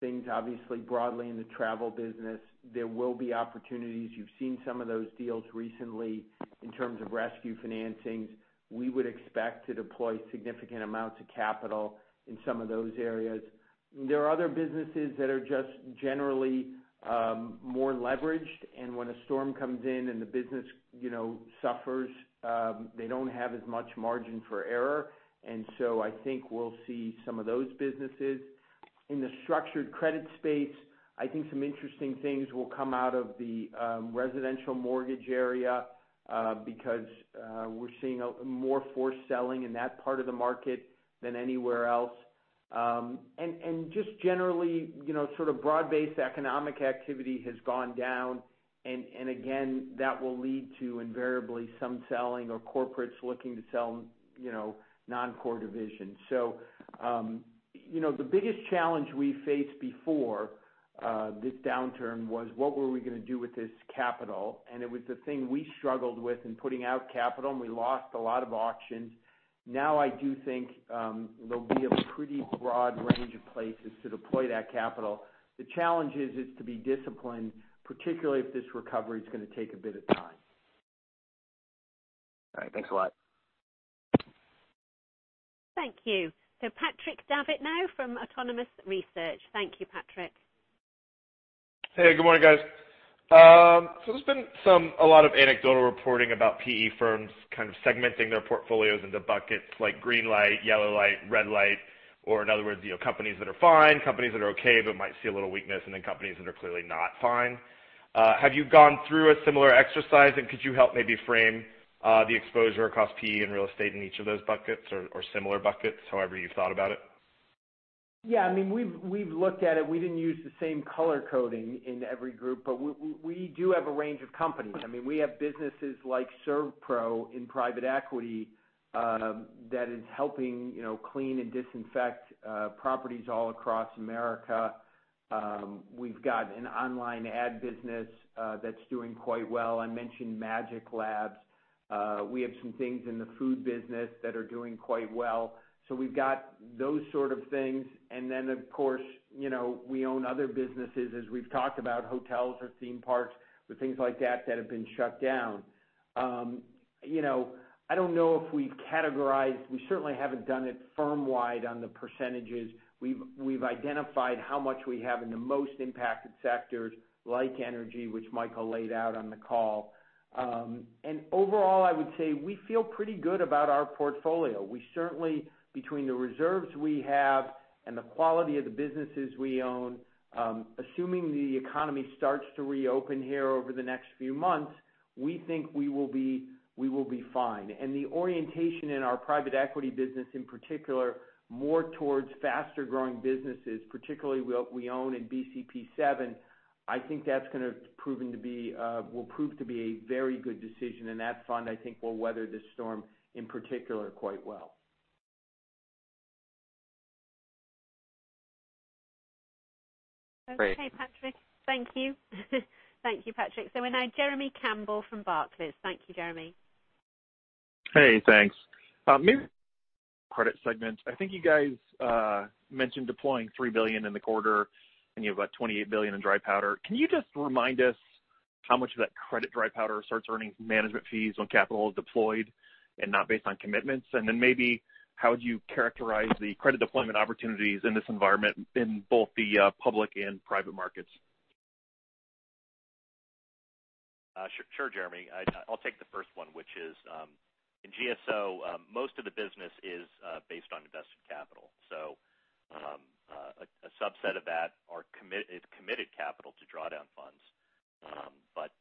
things obviously broadly in the travel business. There will be opportunities. You've seen some of those deals recently in terms of rescue financings. We would expect to deploy significant amounts of capital in some of those areas. There are other businesses that are just generally more leveraged, and when a storm comes in and the business suffers, they don't have as much margin for error. I think we'll see some of those businesses. In the structured credit space, I think some interesting things will come out of the residential mortgage area because we're seeing more forced selling in that part of the market than anywhere else. Just generally, sort of broad-based economic activity has gone down. Again, that will lead to invariably some selling or corporates looking to sell non-core divisions. The biggest challenge we faced before this downturn was what were we going to do with this capital. It was the thing we struggled with in putting out capital, and we lost a lot of auctions. Now I do think there'll be a pretty broad range of places to deploy that capital. The challenge is to be disciplined, particularly if this recovery is going to take a bit of time. All right. Thanks a lot. Thank you. Patrick Davitt now from Autonomous Research. Thank you, Patrick. Hey, good morning, guys. There's been a lot of anecdotal reporting about PE firms kind of segmenting their portfolios into buckets like green light, yellow light, red light. In other words, companies that are fine, companies that are okay but might see a little weakness, and then companies that are clearly not fine. Have you gone through a similar exercise, and could you help maybe frame the exposure across PE and real estate in each of those buckets or similar buckets, however you thought about it? We've looked at it. We didn't use the same color coding in every group, but we do have a range of companies. We have businesses like SERVPRO in private equity that is helping clean and disinfect properties all across America. We've got an online ad business that's doing quite well. I mentioned MagicLab. We have some things in the food business that are doing quite well. We've got those sort of things. Then of course, we own other businesses, as we've talked about, hotels or theme parks or things like that that have been shut down. I don't know if we've categorized. We certainly haven't done it firm-wide on the percentages. We've identified how much we have in the most impacted sectors, like energy, which Michael laid out on the call. Overall, I would say we feel pretty good about our portfolio. We certainly, between the reserves we have and the quality of the businesses we own, assuming the economy starts to reopen here over the next few months, we think we will be fine. The orientation in our private equity business, in particular, more towards faster-growing businesses, particularly what we own in BCP VII, I think that's going to prove to be a very good decision. That fund, I think, will weather this storm, in particular, quite well. Great. Okay, Patrick. Thank you. Thank you, Patrick. We're now Jeremy Campbell from Barclays. Thank you, Jeremy. Hey, thanks. Maybe credit segment. I think you guys mentioned deploying $3 billion in the quarter, and you have about $28 billion in dry powder. Can you just remind us how much of that credit dry powder starts earning management fees when capital is deployed and not based on commitments? Maybe how would you characterize the credit deployment opportunities in this environment in both the public and private markets? Sure, Jeremy. I'll take the first one, which is, in GSO most of the business is based on invested capital. A subset of that is committed capital to draw down funds.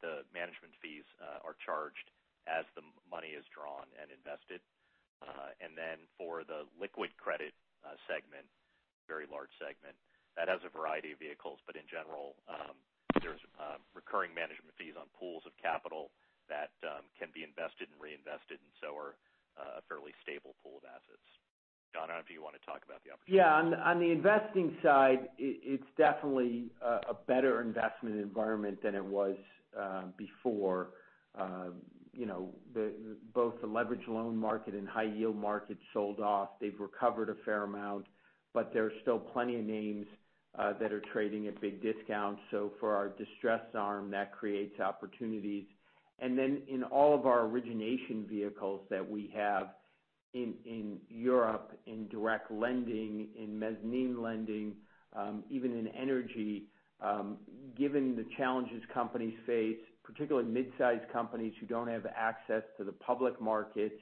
The management fees are charged as the money is drawn and invested. For the liquid credit segment, very large segment, that has a variety of vehicles. In general, there's recurring management fees on pools of capital that can be invested and reinvested and so are a fairly stable pool of assets. Jon, do you want to talk about the opportunity? On the investing side, it's definitely a better investment environment than it was before. Both the leverage loan market and high yield market sold off. They've recovered a fair amount, but there's still plenty of names that are trading at big discounts. For our distressed arm, that creates opportunities. In all of our origination vehicles that we have in Europe, in direct lending, in mezzanine lending, even in energy, given the challenges companies face, particularly mid-size companies who don't have access to the public markets,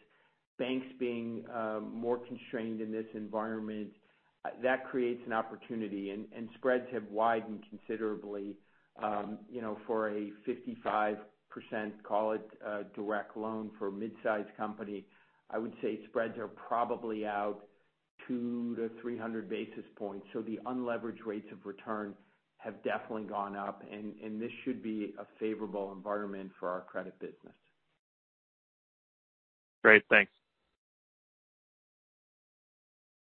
banks being more constrained in this environment, that creates an opportunity, and spreads have widened considerably. For a 55%, call it a direct loan for a mid-size company, I would say spreads are probably out 2-300 basis points. The unleveraged rates of return have definitely gone up, and this should be a favorable environment for our credit business. Great. Thanks.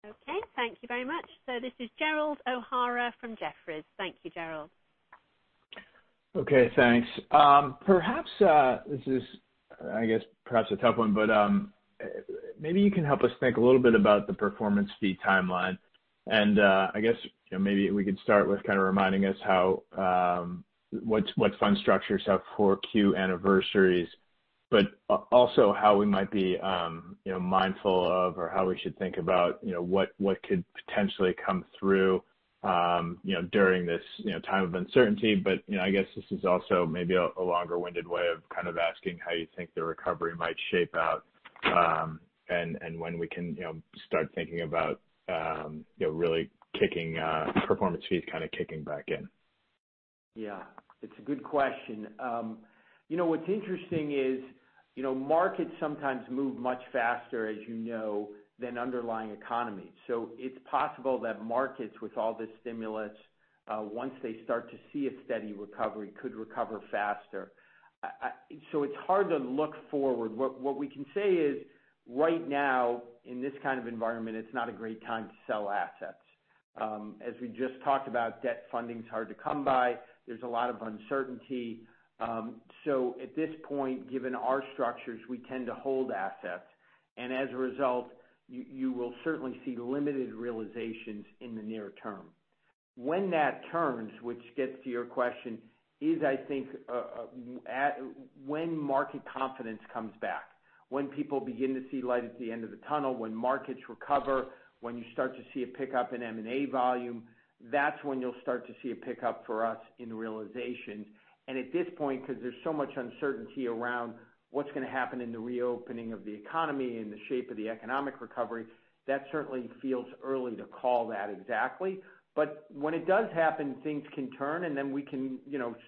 Okay. Thank you very much. This is Gerald O'Hara from Jefferies. Thank you, Gerald. Okay, thanks. Perhaps this is a tough one, but maybe you can help us think a little bit about the performance fee timeline. I guess maybe we could start with kind of reminding us what fund structures have 4Q anniversaries, but also how we might be mindful of or how we should think about what could potentially come through during this time of uncertainty. I guess this is also maybe a longer-winded way of kind of asking how you think the recovery might shape out. When we can start thinking about really performance fees kind of kicking back in. Yeah. It's a good question. What's interesting is markets sometimes move much faster, as you know, than underlying economies. It's possible that markets, with all this stimulus, once they start to see a steady recovery, could recover faster. It's hard to look forward. What we can say is right now, in this kind of environment, it's not a great time to sell assets. As we just talked about, debt funding is hard to come by. There's a lot of uncertainty. At this point, given our structures, we tend to hold assets, and as a result, you will certainly see limited realizations in the near term. When that turns, which gets to your question, is when market confidence comes back. When people begin to see light at the end of the tunnel, when markets recover, when you start to see a pickup in M&A volume, that's when you'll start to see a pickup for us in realization. At this point, because there's so much uncertainty around what's going to happen in the reopening of the economy and the shape of the economic recovery, that certainly feels early to call that exactly. When it does happen, things can turn, and then we can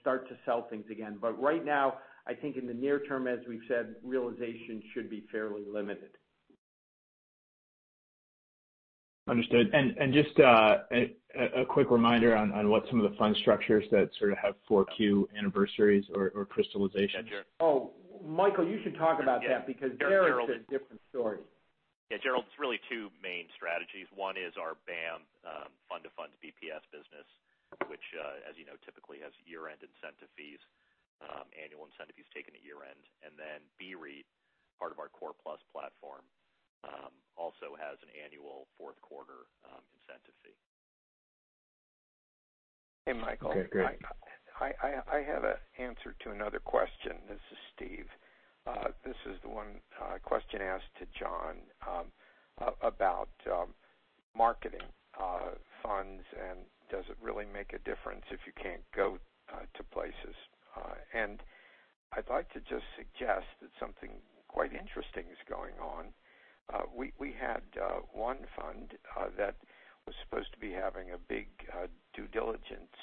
start to sell things again. Right now, I think in the near term, as we've said, realization should be fairly limited. Understood. Just a quick reminder on what some of the fund structures that sort of have 4Q anniversaries or crystallizations. Yeah, sure. Oh, Michael, you should talk about that because they're a different story. Yeah. Gerald, it's really two main strategies. One is our BAAM Fund of Funds BPS business, which, as you know, typically has year-end incentive fees, annual incentive fees taken at year-end. BREIT, part of our core plus platform, also has an annual fourth quarter incentive fee. Hey, Michael. Okay, great. I have an answer to another question. This is Steve. This is the one question asked to Jon about marketing funds and does it really make a difference if you can't go to places. I'd like to just suggest that something quite interesting is going on. We had one fund that was supposed to be having a big due diligence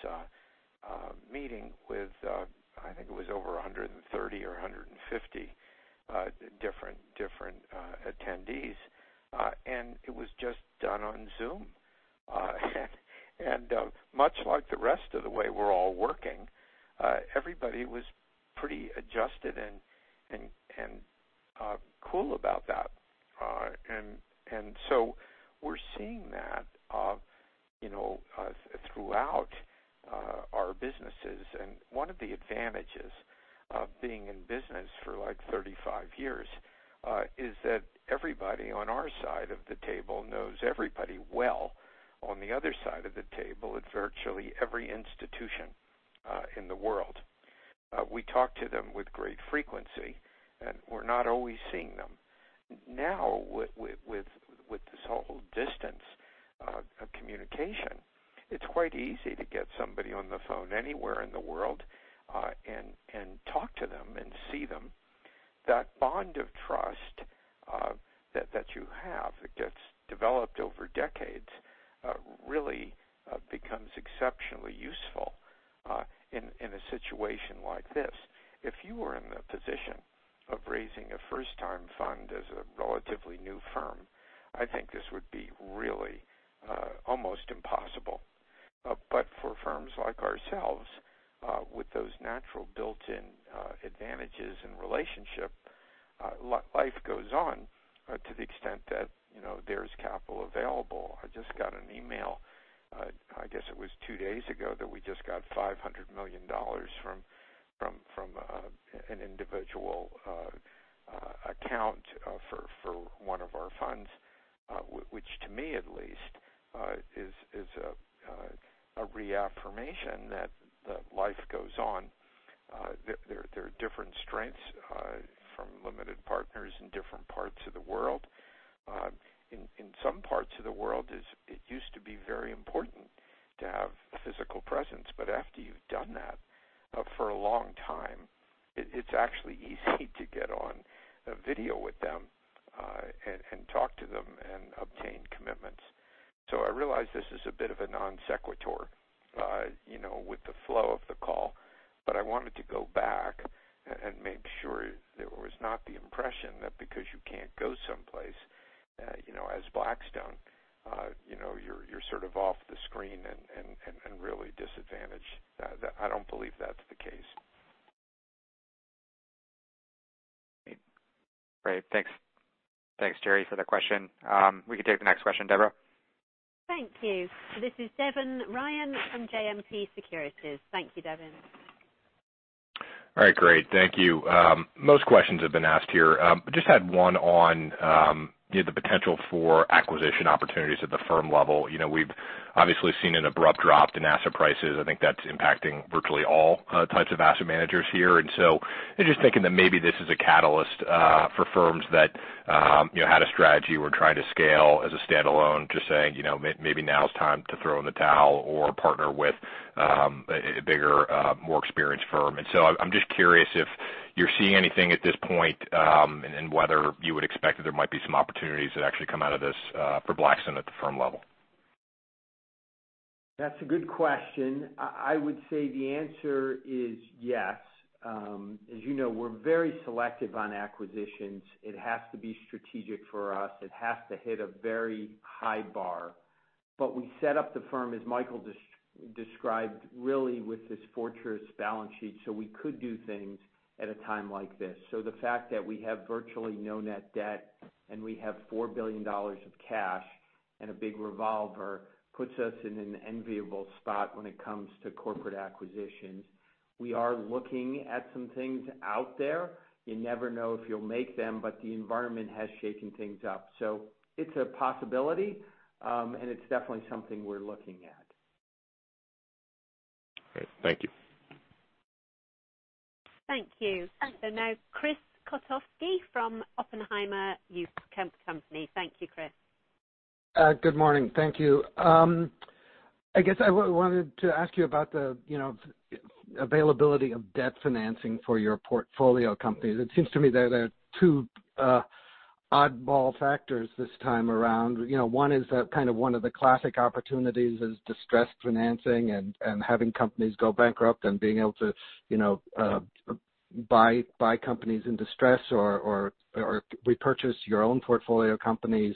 meeting with, I think it was over 130 or 150 different attendees. It was just done on Zoom. Much like the rest of the way we're all working, everybody was pretty adjusted and cool about that. We're seeing that throughout our businesses. One of the advantages of being in business for 35 years, is that everybody on our side of the table knows everybody well on the other side of the table at virtually every institution in the world. We talk to them with great frequency, and we're not always seeing them. Now with this whole distance communication, it's quite easy to get somebody on the phone anywhere in the world, and talk to them and see them. That bond of trust that you have that gets developed over decades really becomes exceptionally useful in a situation like this. If you were in the position of raising a first-time fund as a relatively new firm, I think this would be really almost impossible. For firms like ourselves, with those natural built-in advantages and relationship, life goes on to the extent that there's capital available. I just got an email, I guess it was two days ago, that we just got $500 million from an individual account for one of our funds. Which to me at least, is a reaffirmation that life goes on. There are different strengths from limited partners in different parts of the world. In some parts of the world, it used to be very important to have a physical presence, but after you've done that for a long time, it's actually easy to get on a video with them, and talk to them and obtain commitments. I realize this is a bit of a non-sequitur with the flow of the call, but I wanted to go back and make sure there was not the impression that because you can't go someplace, as Blackstone you're sort of off the screen and really disadvantaged. I don't believe that's the case. Great. Thanks, Gerald, for the question. We can take the next question, Deborah. Thank you. This is Devin Ryan from JMP Securities. Thank you, Devin. All right, great. Thank you. Most questions have been asked here. Just had one on the potential for acquisition opportunities at the firm level. We've obviously seen an abrupt drop in asset prices. I think that's impacting virtually all types of asset managers here. Just thinking that maybe this is a catalyst for firms that had a strategy or trying to scale as a standalone, just saying, maybe now is time to throw in the towel or partner with a bigger, more experienced firm. I'm just curious if you're seeing anything at this point, and whether you would expect that there might be some opportunities that actually come out of this for Blackstone at the firm level. That's a good question. I would say the answer is yes. As you know, we're very selective on acquisitions. It has to be strategic for us. It has to hit a very high bar. We set up the firm, as Michael described, really with this fortress balance sheet, so we could do things at a time like this. The fact that we have virtually no net debt and we have $4 billion of cash and a big revolver puts us in an enviable spot when it comes to corporate acquisitions. We are looking at some things out there. You never know if you'll make them, but the environment has shaken things up. It's a possibility, and it's definitely something we're looking at. Great. Thank you. Thank you. Now Chris Kotowski from Oppenheimer & Co. Thank you, Chris. Good morning. Thank you. I guess I wanted to ask you about the availability of debt financing for your portfolio companies. It seems to me that there are two oddball factors this time around. One is that kind of one of the classic opportunities is distressed financing and having companies go bankrupt and being able to buy companies in distress or repurchase your own portfolio company's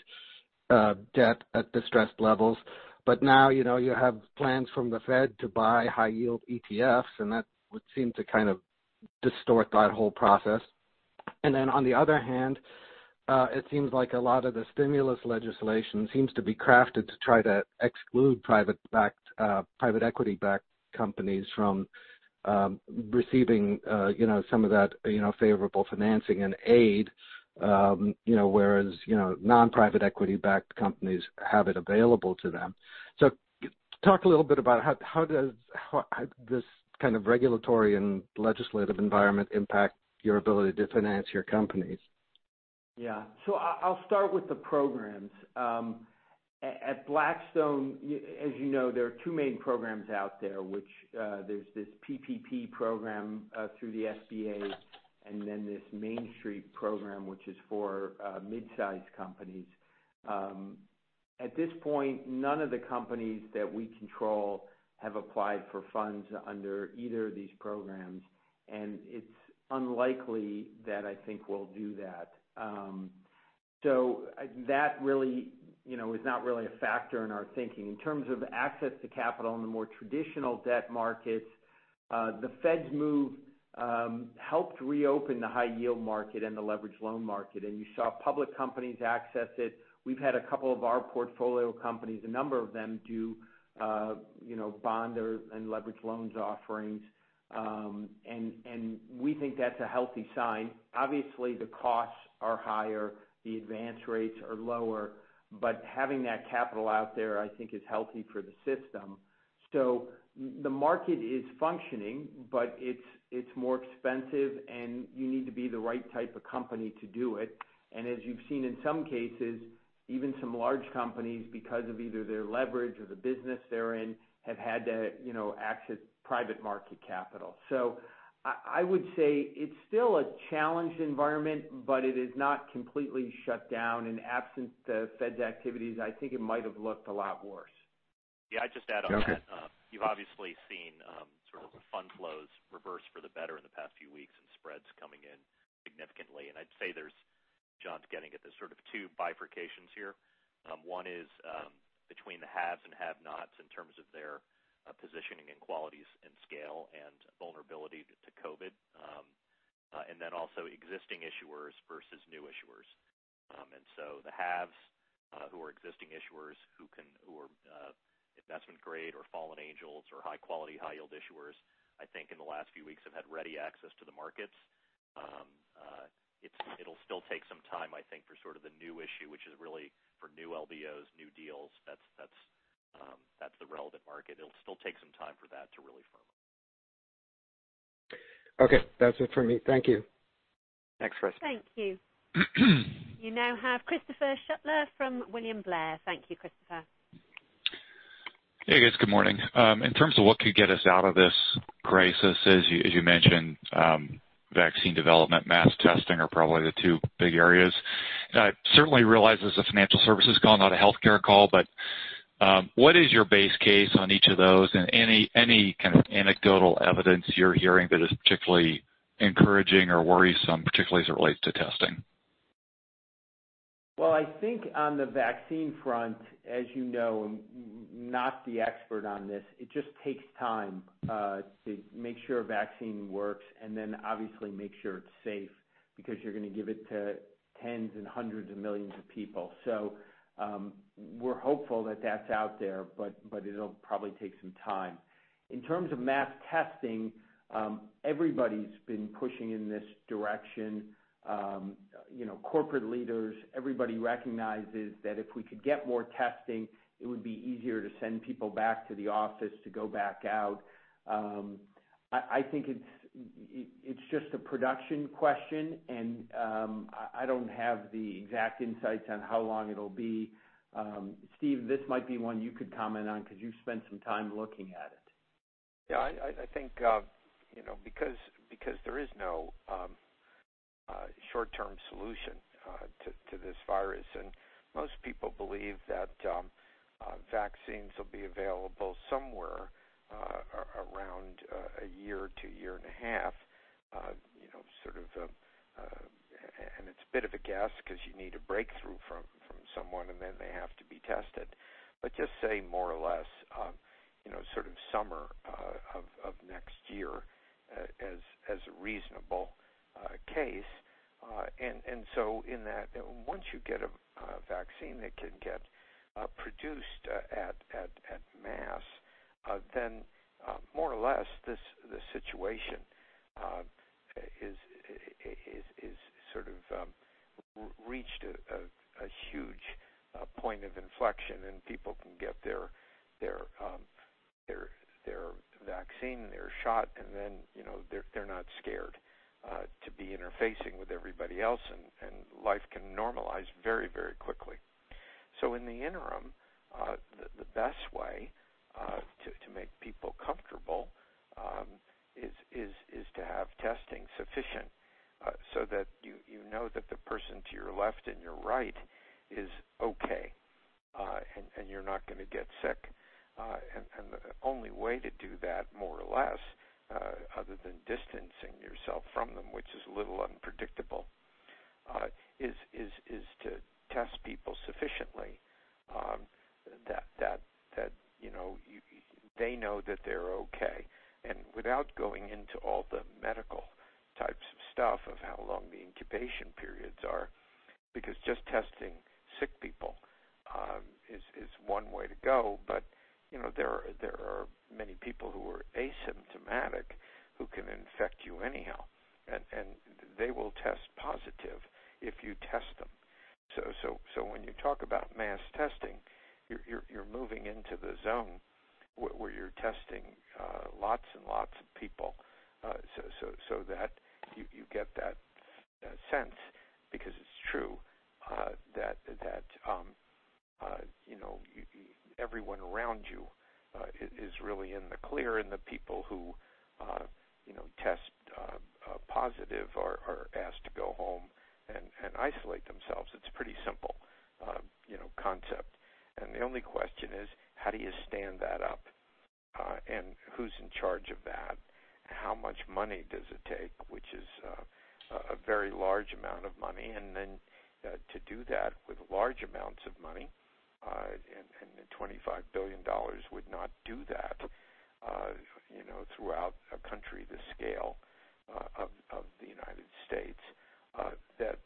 debt at distressed levels. Now, you have plans from the Fed to buy high-yield ETFs, and that would seem to kind of distort that whole process. Then, on the other hand, it seems like a lot of the stimulus legislation seems to be crafted to try to exclude private equity-backed companies from receiving some of that favorable financing and aid whereas non-private equity-backed companies have it available to them. Talk a little bit about how this kind of regulatory and legislative environment impacts your ability to finance your companies? Yeah. I'll start with the programs. At Blackstone, as you know, there are two main programs out there. There's this PPP program through the SBA, and then this Main Street program, which is for midsize companies. At this point, none of the companies that we control have applied for funds under either of these programs, and it's unlikely that I think we'll do that. That really is not really a factor in our thinking. In terms of access to capital in the more traditional debt markets, the Fed's move helped reopen the high-yield market and the leverage loan market, and you saw public companies access it. We've had a couple of our portfolio companies, a number of them do bond or leverage loans offerings, and we think that's a healthy sign. Obviously, the costs are higher, the advance rates are lower. Having that capital out there, I think, is healthy for the system. The market is functioning, but it's more expensive, and you need to be the right type of company to do it. As you've seen in some cases, even some large companies, because of either their leverage or the business they're in, have had to access private market capital. I would say it's still a challenged environment, but it is not completely shut down. Absent the Fed's activities, I think it might have looked a lot worse. I'd just add on that. You've obviously seen sort of the fund flows reverse for the better in the past few weeks and spreads coming in significantly. I'd say there's, Jon's getting at this, sort of two bifurcations here. One is between the haves and have-nots in terms of their positioning and qualities and scale and vulnerability to COVID. Also existing issuers versus new issuers. The haves, who are existing issuers who are investment-grade or fallen angels or high-quality, high-yield issuers, I think in the last few weeks have had ready access to the markets. It'll still take some time, I think, for sort of the new issue, which is really for new LBOs, new deals. That's the relevant market. It'll still take some time for that to really firm up. Okay. That's it for me. Thank you. Next question. Thank you. You now have Christopher Shutler from William Blair. Thank you, Christopher. Hey, guys. Good morning. In terms of what could get us out of this crisis, as you mentioned, vaccine development, mass testing are probably the two big areas. I certainly realize this is a financial services call, not a healthcare call. What is your base case on each of those, and any kind of anecdotal evidence you're hearing that is particularly encouraging or worrisome, particularly as it relates to testing? Well, I think on the vaccine front, as you know, I'm not the expert on this. It just takes time to make sure a vaccine works and then obviously make sure it's safe because you're going to give it to tens and hundreds of millions of people. We're hopeful that that's out there, but it'll probably take some time. In terms of mass testing, everybody's been pushing in this direction. Corporate leaders, everybody recognizes that if we could get more testing, it would be easier to send people back to the office to go back out. I think it's just a production question, and I don't have the exact insights on how long it'll be. Steve, this might be one you could comment on because you've spent some time looking at it. Yeah. I think because there is no short-term solution to this virus, most people believe that vaccines will be available somewhere around a year to a year and a half. It's a bit of a guess because you need a breakthrough from someone, and then they have to be tested. Just say more or less, sort of summer of next year as a reasonable case. In that, once you get a vaccine that can get produced at mass, then more or less, this situation has sort of reached a huge point of inflection and people can get their vaccine, their shot, and then they're not scared to be interfacing with everybody else, and life can normalize very quickly. In the interim, the best way to make people comfortable is to have testing sufficient so that you know that the person to your left and your right is okay, and you're not going to get sick. The only way to do that, more or less, other than distancing yourself from them, which is a little unpredictable, is to test people sufficiently that they know that they're okay. Without going into all the medical types of stuff of how long the incubation periods are, because just testing sick people is one way to go. There are many people who are asymptomatic who can infect you anyhow, and they will test positive if you test them. When you talk about mass testing, you're moving into the zone where you're testing lots and lots of people so that you get that sense, because it's true, that everyone around you is really in the clear, and the people who test positive are asked to go home and isolate themselves. It's a pretty simple concept. The only question is, how do you stand that up? Who's in charge of that? How much money does it take? Which is a very large amount of money. Then to do that with large amounts of money, and the $25 billion would not do that throughout a country the scale of the U.S., that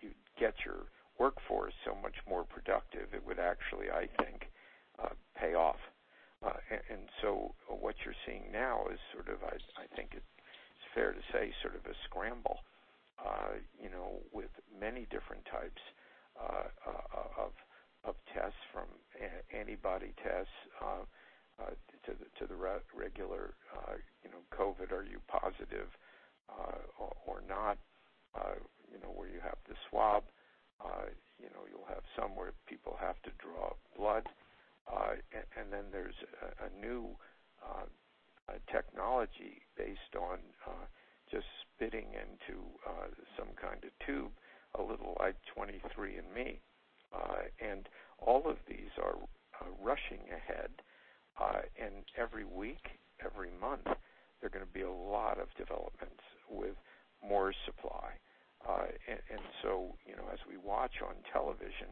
you'd get your workforce so much more productive, it would actually, I think, pay off. What you're seeing now is sort of, I think it's fair to say, sort of a scramble with many different types of tests from antibody tests to the regular COVID, are you positive or not, where you have the swab. You'll have some where people have to draw blood. Then there's a new technology based on just spitting into some kind of tube, a little like 23andMe. All of these are rushing ahead. Every week, every month, there are going to be a lot of developments with more supply. As we watch on television,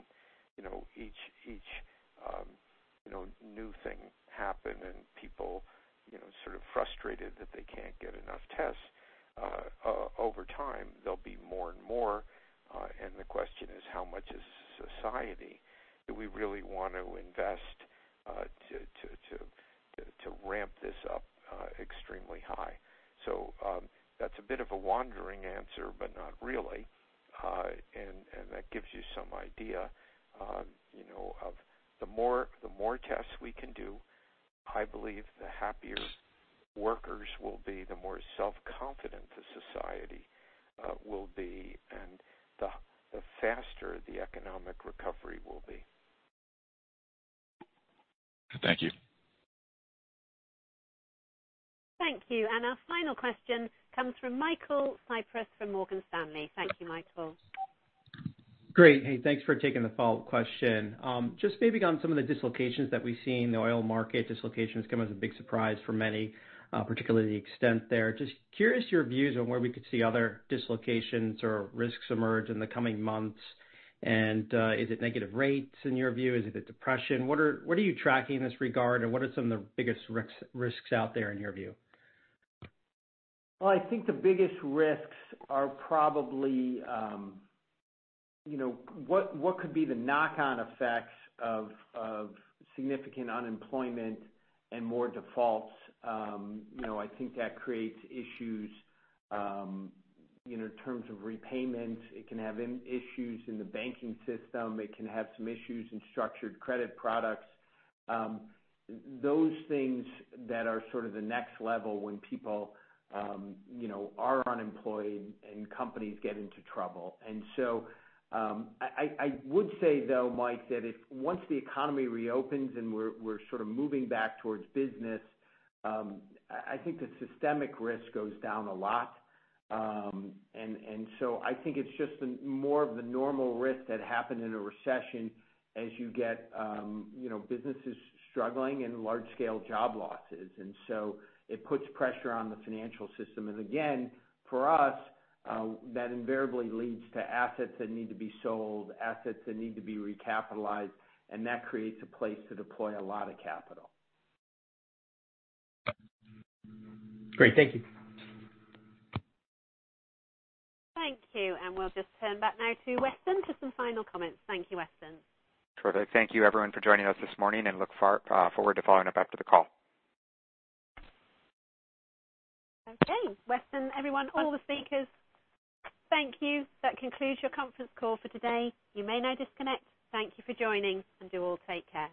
each new thing happen and people sort of frustrated that they can't get enough tests, over time, there'll be more and more. The question is, how much as a society do we really want to invest to ramp this up extremely high? That's a bit of a wandering answer, but not really. That gives you some idea of the more tests we can do, I believe the happier workers will be, the more self-confident the society will be, and the faster the economic recovery will be. Thank you. Thank you. Our final question comes from Michael Cyprys from Morgan Stanley. Thank you, Michael. Great. Hey, thanks for taking the follow-up question. Just maybe on some of the dislocations that we've seen, the oil market dislocation has come as a big surprise for many, particularly the extent there. Just curious your views on where we could see other dislocations or risks emerge in the coming months. Is it negative rates in your view? Is it a depression? What are you tracking in this regard, and what are some of the biggest risks out there in your view? Well, I think the biggest risks are probably what could be the knock-on effects of significant unemployment and more defaults. I think that creates issues in terms of repayment. It can have issues in the banking system. It can have some issues in structured credit products. Those things that are sort of the next level when people are unemployed and companies get into trouble. I would say, though, Mike, that if once the economy reopens and we're sort of moving back towards business, I think the systemic risk goes down a lot. I think it's just more of the normal risk that happened in a recession as you get businesses struggling and large-scale job losses. It puts pressure on the financial system. Again, for us, that invariably leads to assets that need to be sold, assets that need to be recapitalized, and that creates a place to deploy a lot of capital. Great. Thank you. Thank you. We'll just turn back now to Weston for some final comments. Thank you, Weston. Sure thing. Thank you everyone for joining us this morning and look forward to following up after the call. Okay. Weston, everyone, all the speakers. Thank you. That concludes your conference call for today. You may now disconnect. Thank you for joining, and you all take care.